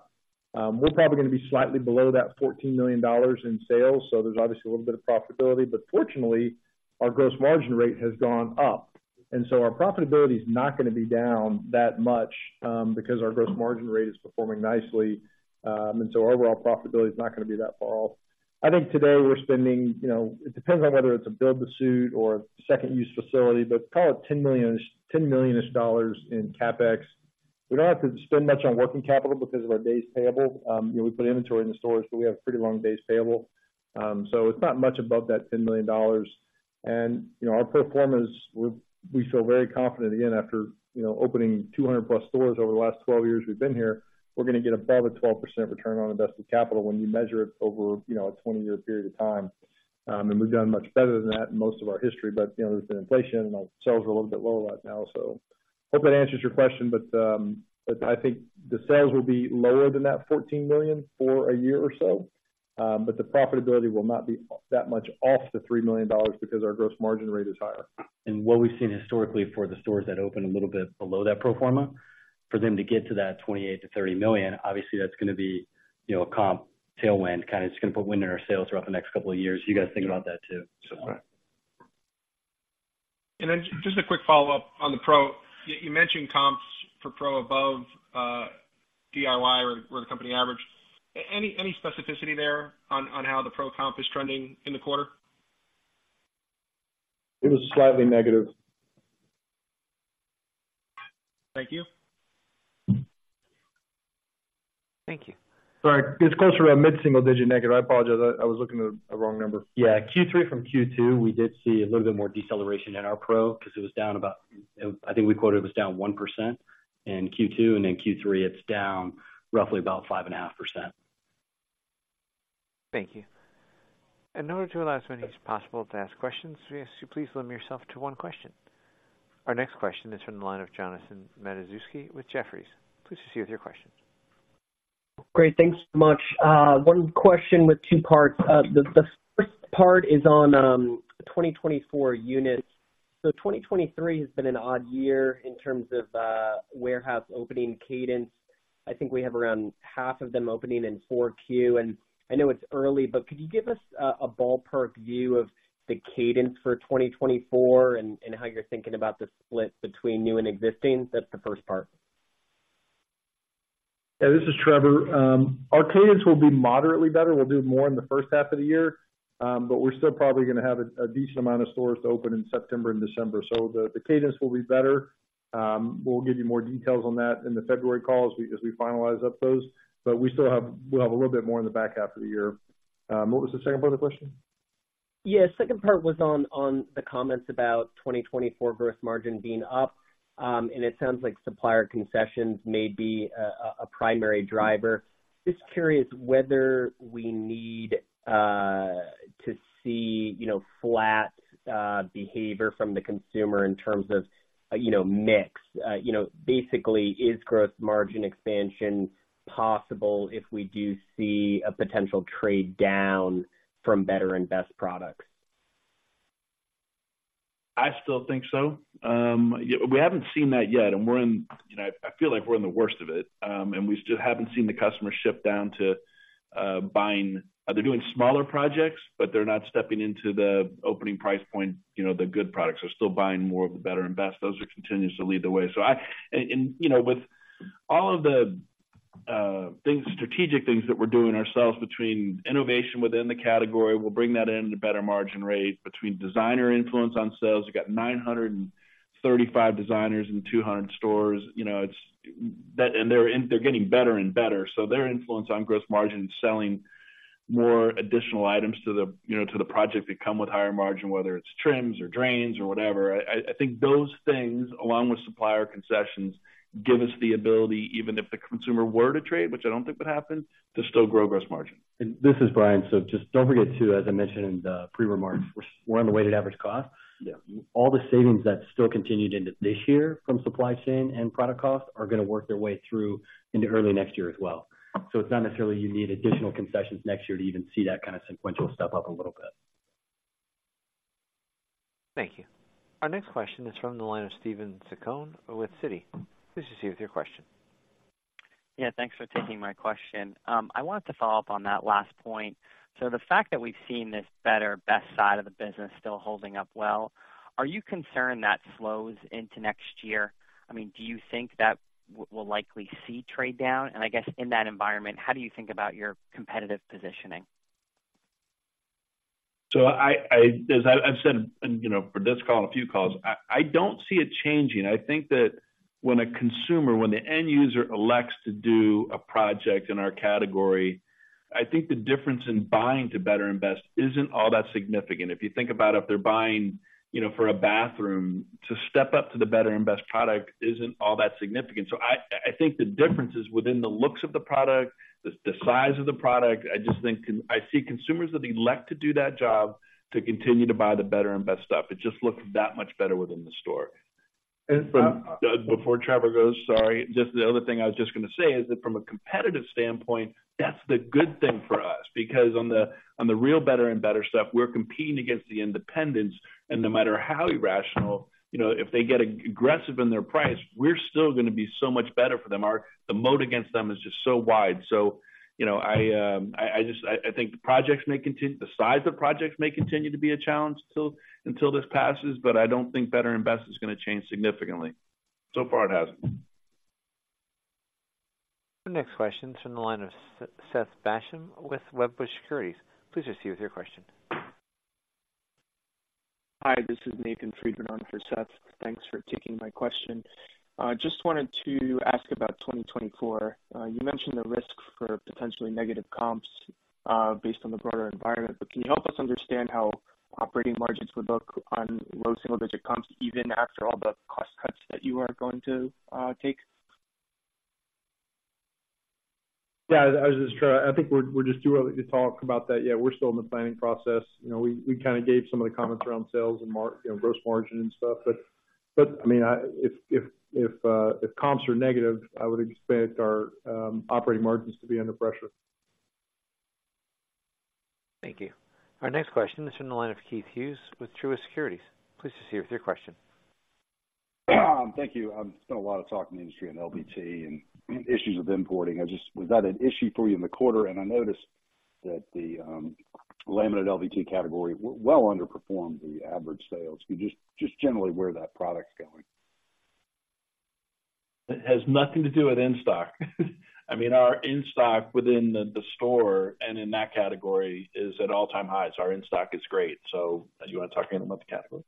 D: We're probably going to be slightly below that $14 million in sales, so there's obviously a little bit of profitability, but fortunately, our gross margin rate has gone up, and so our profitability is not going to be down that much, because our gross margin rate is performing nicely. And so overall profitability is not going to be that far off. I think today we're spending, you know, it depends on whether it's a build-to-suit or second use facility, but call it $10 million, $10 million-ish dollars in CapEx. We don't have to spend much on working capital because of our days payable. You know, we put inventory in the stores, but we have pretty long days payable. So it's not much above that $10 million. And, you know, our pro forma is we feel very confident, again, after, you know, opening 200+ stores over the last 12 years we've been here, we're going to get above a 12% return on invested capital when you measure it over, you know, a 20-year period of time. And we've done much better than that in most of our history, but, you know, there's been inflation, and our sales are a little bit lower right now. So hope that answers your question, but, but I think the sales will be lower than that $14 million for a year or so, but the profitability will not be that much off the $3 million because our gross margin rate is higher.
E: What we've seen historically for the stores that open a little bit below that pro forma, for them to get to that $28 million-$30 million, obviously, that's going to be, you know, a comp tailwind, kind of just going to put wind in our sails throughout the next couple of years. You guys think about that, too.
D: So....
K: Then just a quick follow-up on the Pro. You mentioned comps for Pro above DIY or the company average. Any specificity there on how the Pro comp is trending in the quarter?
C: It was slightly negative.
M: Thank you.
A: Thank you.
C: Sorry, it's closer to a mid-single digit negative. I apologize. I was looking at a wrong number.
E: Yeah, Q3 from Q2, we did see a little bit more deceleration in our Pro because it was down about—I think we quoted it was down 1% in Q2, and then Q3, it's down roughly about 5.5%.
A: Thank you. In order to allow as many as possible to ask questions, we ask you please limit yourself to one question. Our next question is from the line of Jonathan Matuszewski with Jefferies. Please proceed with your question.
N: Great. Thanks so much. One question with two parts. The first part is on 2024 units. So 2023 has been an odd year in terms of warehouse opening cadence. I think we have around half of them opening in Q4. And I know it's early, but could you give us a ballpark view of the cadence for 2024 and how you're thinking about the split between new and existing? That's the first part.
C: Yeah, this is Trevor. Our cadence will be moderately better. We'll do more in the first half of the year, but we're still probably going to have a decent amount of stores to open in September and December. So the cadence will be better. We'll give you more details on that in the February calls as we finalize up those, but we'll have a little bit more in the back half of the year. What was the second part of the question?
N: Yeah, second part was on the comments about 2024 gross margin being up. And it sounds like supplier concessions may be a primary driver. Just curious whether we need to see, you know, flat behavior from the consumer in terms of, you know, mix. You know, basically, is gross margin expansion possible if we do see a potential trade down from better and best products?
C: I still think so. Yeah, we haven't seen that yet, and we're in... You know, I feel like we're in the worst of it, and we still haven't seen the customer shift down to buying. They're doing smaller projects, but they're not stepping into the opening price point. You know, the good products are still buying more of the better and best. Those continue to lead the way. So and, you know, with all of the things, strategic things that we're doing ourselves between innovation within the category, we'll bring that in to better margin rate, between designer influence on sales. We've got 935 designers in 200 stores. You know, it's that. And they're getting better and better. So their influence on gross margin and selling more additional items to the, you know, to the project that come with higher margin, whether it's trims or drains or whatever. I, I think those things, along with supplier concessions, give us the ability, even if the consumer were to trade, which I don't think would happen, to still grow gross margin.
E: This is Bryan. So just don't forget, too, as I mentioned in the pre-remarks, we're on the weighted average cost.
C: Yeah.
E: All the savings that still continued into this year from supply chain and product costs are going to work their way through into early next year as well. So it's not necessarily you need additional concessions next year to even see that kind of sequential step up a little bit.
A: Thank you. Our next question is from the line of Steven Zaccone with Citi. Please proceed with your question.
O: Yeah, thanks for taking my question. I wanted to follow up on that last point. So the fact that we've seen this better, best side of the business still holding up well, are you concerned that slows into next year? I mean, do you think that we'll likely see trade down? And I guess in that environment, how do you think about your competitive positioning?
C: So, as I've said, and, you know, for this call and a few calls, I don't see it changing. I think that when a consumer, the end user elects to do a project in our category, I think the difference in buying to better and best isn't all that significant. If you think about if they're buying, you know, for a bathroom, to step up to the better and best product isn't all that significant. So, I think the difference is within the looks of the product, the size of the product. I just think I see consumers that elect to do that job to continue to buy the better and best stuff. It just looks that much better within the store.
E: Before Trevor goes, sorry. Just the other thing I was just going to say is that from a competitive standpoint, that's the good thing for us, because on the, on the real better and better stuff, we're competing against the independents. And no matter how irrational, you know, if they get aggressive in their price, we're still going to be so much better for them. Our moat against them is just so wide. So, you know, I just think the projects may continue. The size of projects may continue to be a challenge till, until this passes, but I don't think better and best is going to change significantly. So far, it hasn't.
A: The next question is from the line of Seth Basham with Wedbush Securities. Please proceed with your question.
P: Hi, this is Nathan Friedman on for Seth. Thanks for taking my question. Just wanted to ask about 2024. You mentioned the risk for potentially negative comps, based on the broader environment, but can you help us understand how operating margins would look on low single-digit comps, even after all the cost cuts that you are going to take?
C: Yeah, I was just trying. I think we're just too early to talk about that yet. We're still in the planning process. You know, we kind of gave some of the comments around sales and margin, you know, gross margin and stuff. But, I mean, if comps are negative, I would expect our operating margins to be under pressure.
A: Thank you. Our next question is from the line of Keith Hughes with Truist Securities. Please proceed with your question....
Q: Thank you. I've spent a lot of time talking to the industry on LVT and issues of importing. Was that an issue for you in the quarter? And I noticed that the laminate LVT category well underperformed the average sales. Can you just, just generally where that product's going?
D: It has nothing to do with in-stock. I mean, our in-stock within the store and in that category is at all-time highs. Our in-stock is great. So do you want to talk anything about the category?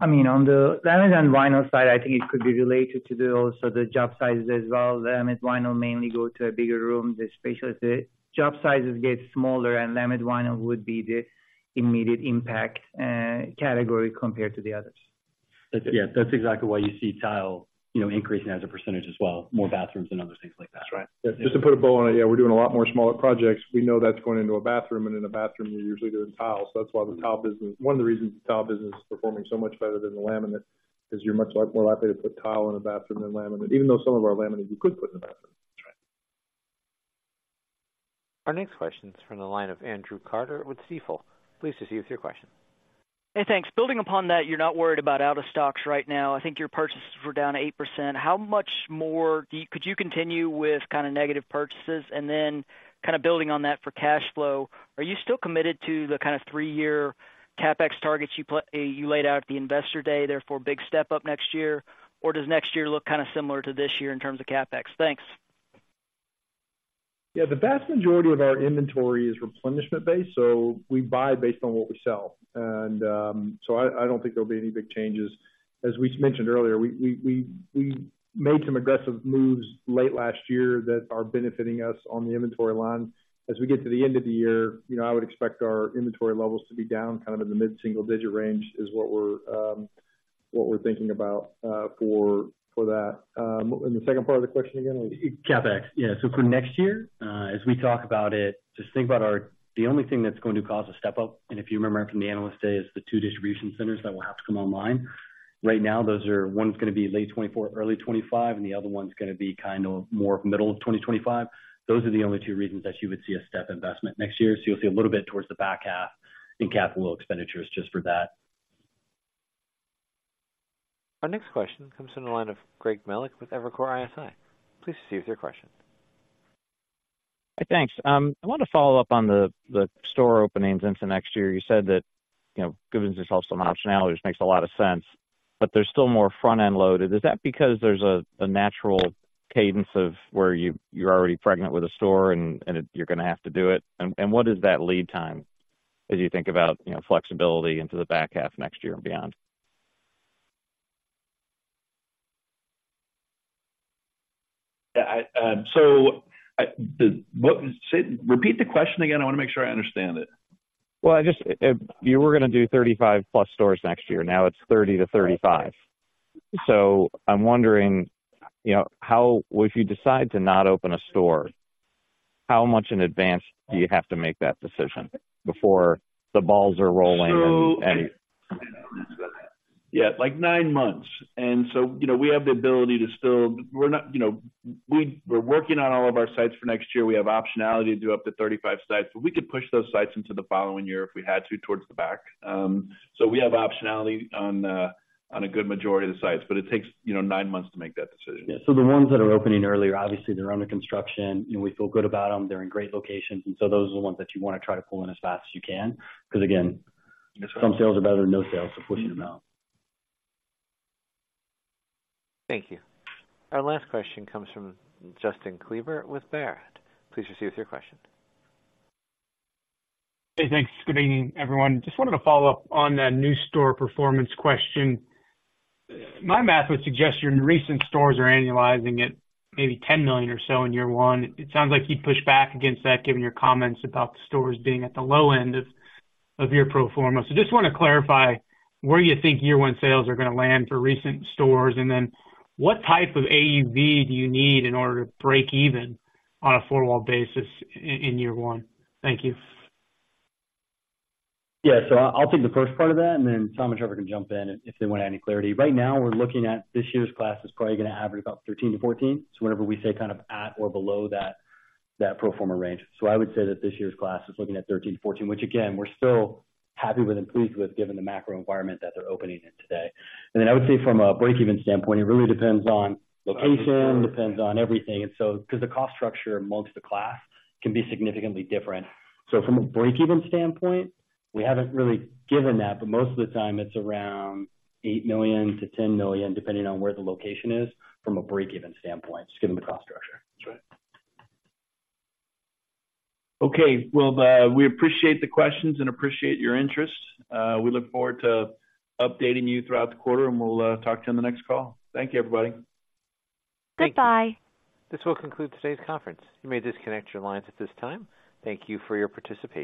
K: I mean, on the laminate and vinyl side, I think it could be related to the, also the job sizes as well. Laminate vinyl mainly go to a bigger room. As the, the job sizes get smaller, and laminate vinyl would be the immediate impact category compared to the others.
E: That's, yeah, that's exactly why you see tile, you know, increasing as a percentage as well. More bathrooms and other things like that.
K: That's right.
D: Just to put a bow on it, yeah, we're doing a lot more smaller projects. We know that's going into a bathroom, and in a bathroom, we're usually doing tile. So that's why the tile business... One of the reasons the tile business is performing so much better than the laminate is you're much more likely to put tile in a bathroom than laminate, even though some of our laminate, you could put in the bathroom.
E: That's right.
A: Our next question is from the line of Andrew Carter with Stifel. Please proceed with your question.
R: Hey, thanks. Building upon that, you're not worried about out-of-stocks right now. I think your purchases were down 8%. How much more do you... Could you continue with kind of negative purchases? And then kind of building on that for cash flow, are you still committed to the kind of three-year CapEx targets you laid out at the Investor Day, therefore, big step up next year? Or does next year look kind of similar to this year in terms of CapEx? Thanks.
D: Yeah, the vast majority of our inventory is replenishment-based, so we buy based on what we sell. And, so I don't think there'll be any big changes. As we mentioned earlier, we made some aggressive moves late last year that are benefiting us on the inventory line. As we get to the end of the year, you know, I would expect our inventory levels to be down, kind of in the mid-single-digit range, is what we're thinking about for that. And the second part of the question again was?
E: CapEx. Yeah, so for next year, as we talk about it, just think about our... The only thing that's going to cause a step-up, and if you remember from the Analyst Day, is the two distribution centers that will have to come online. Right now, those are, one's gonna be late 2024, early 2025, and the other one's gonna be kind of more middle of 2025. Those are the only two reasons that you would see a step investment next year. So you'll see a little bit towards the back half in capital expenditures just for that.
A: Our next question comes from the line of Greg Melich with Evercore ISI. Please proceed with your question.
K: Thanks. I want to follow up on the store openings into next year. You said that, you know, giving yourself some optionality, which makes a lot of sense, but there's still more front-end loaded. Is that because there's a natural cadence of where you're already pregnant with a store and it, you're gonna have to do it? And what is that lead time as you think about, you know, flexibility into the back half next year and beyond?
D: Yeah, so what? Say, repeat the question again. I want to make sure I understand it.
G: Well, I just, you were gonna do 35+ stores next year. Now it's 30-35. So I'm wondering, you know, how... If you decide to not open a store, how much in advance do you have to make that decision before the balls are rolling and-
D: So, yeah, like nine months. So, you know, we have the ability to still... We're not, you know, we're working on all of our sites for next year. We have optionality to do up to 35 sites, but we could push those sites into the following year if we had to, towards the back. So we have optionality on a good majority of the sites, but it takes, you know, nine months to make that decision.
E: Yeah, so the ones that are opening earlier, obviously, they're under construction, and we feel good about them. They're in great locations, and so those are the ones that you want to try to pull in as fast as you can, because, again, some sales are better than no sales, so pushing them out.
A: Thank you. Our last question comes from Justin Kleber with Baird. Please proceed with your question.
S: Hey, thanks. Good evening, everyone. Just wanted to follow up on that new store performance question. My math would suggest your recent stores are annualizing at maybe $10 million or so in year one. It sounds like you'd push back against that, given your comments about the stores being at the low end of, of your pro forma. So just want to clarify, where do you think year one sales are gonna land for recent stores? And then what type of AUV do you need in order to break even on a four-wall basis in year one? Thank you.
E: Yeah, so I'll take the first part of that, and then Tom and Trevor can jump in if they want to add any clarity. Right now, we're looking at this year's class is probably gonna average about 13-14. So whenever we say kind of at or below that, that pro forma range. So I would say that this year's class is looking at 13-14, which again, we're still happy with and pleased with, given the macro environment that they're opening in today. And then I would say from a break-even standpoint, it really depends on location, depends on everything. And so, because the cost structure amongst the class can be significantly different. From a break-even standpoint, we haven't really given that, but most of the time, it's around $8 million-$10 million, depending on where the location is from a break-even standpoint, just given the cost structure.
D: That's right. Okay, well, we appreciate the questions and appreciate your interest. We look forward to updating you throughout the quarter, and we'll talk to you on the next call. Thank you, everybody.
A: Thank you.
T: Goodbye.
A: This will conclude today's conference. You may disconnect your lines at this time. Thank you for your participation.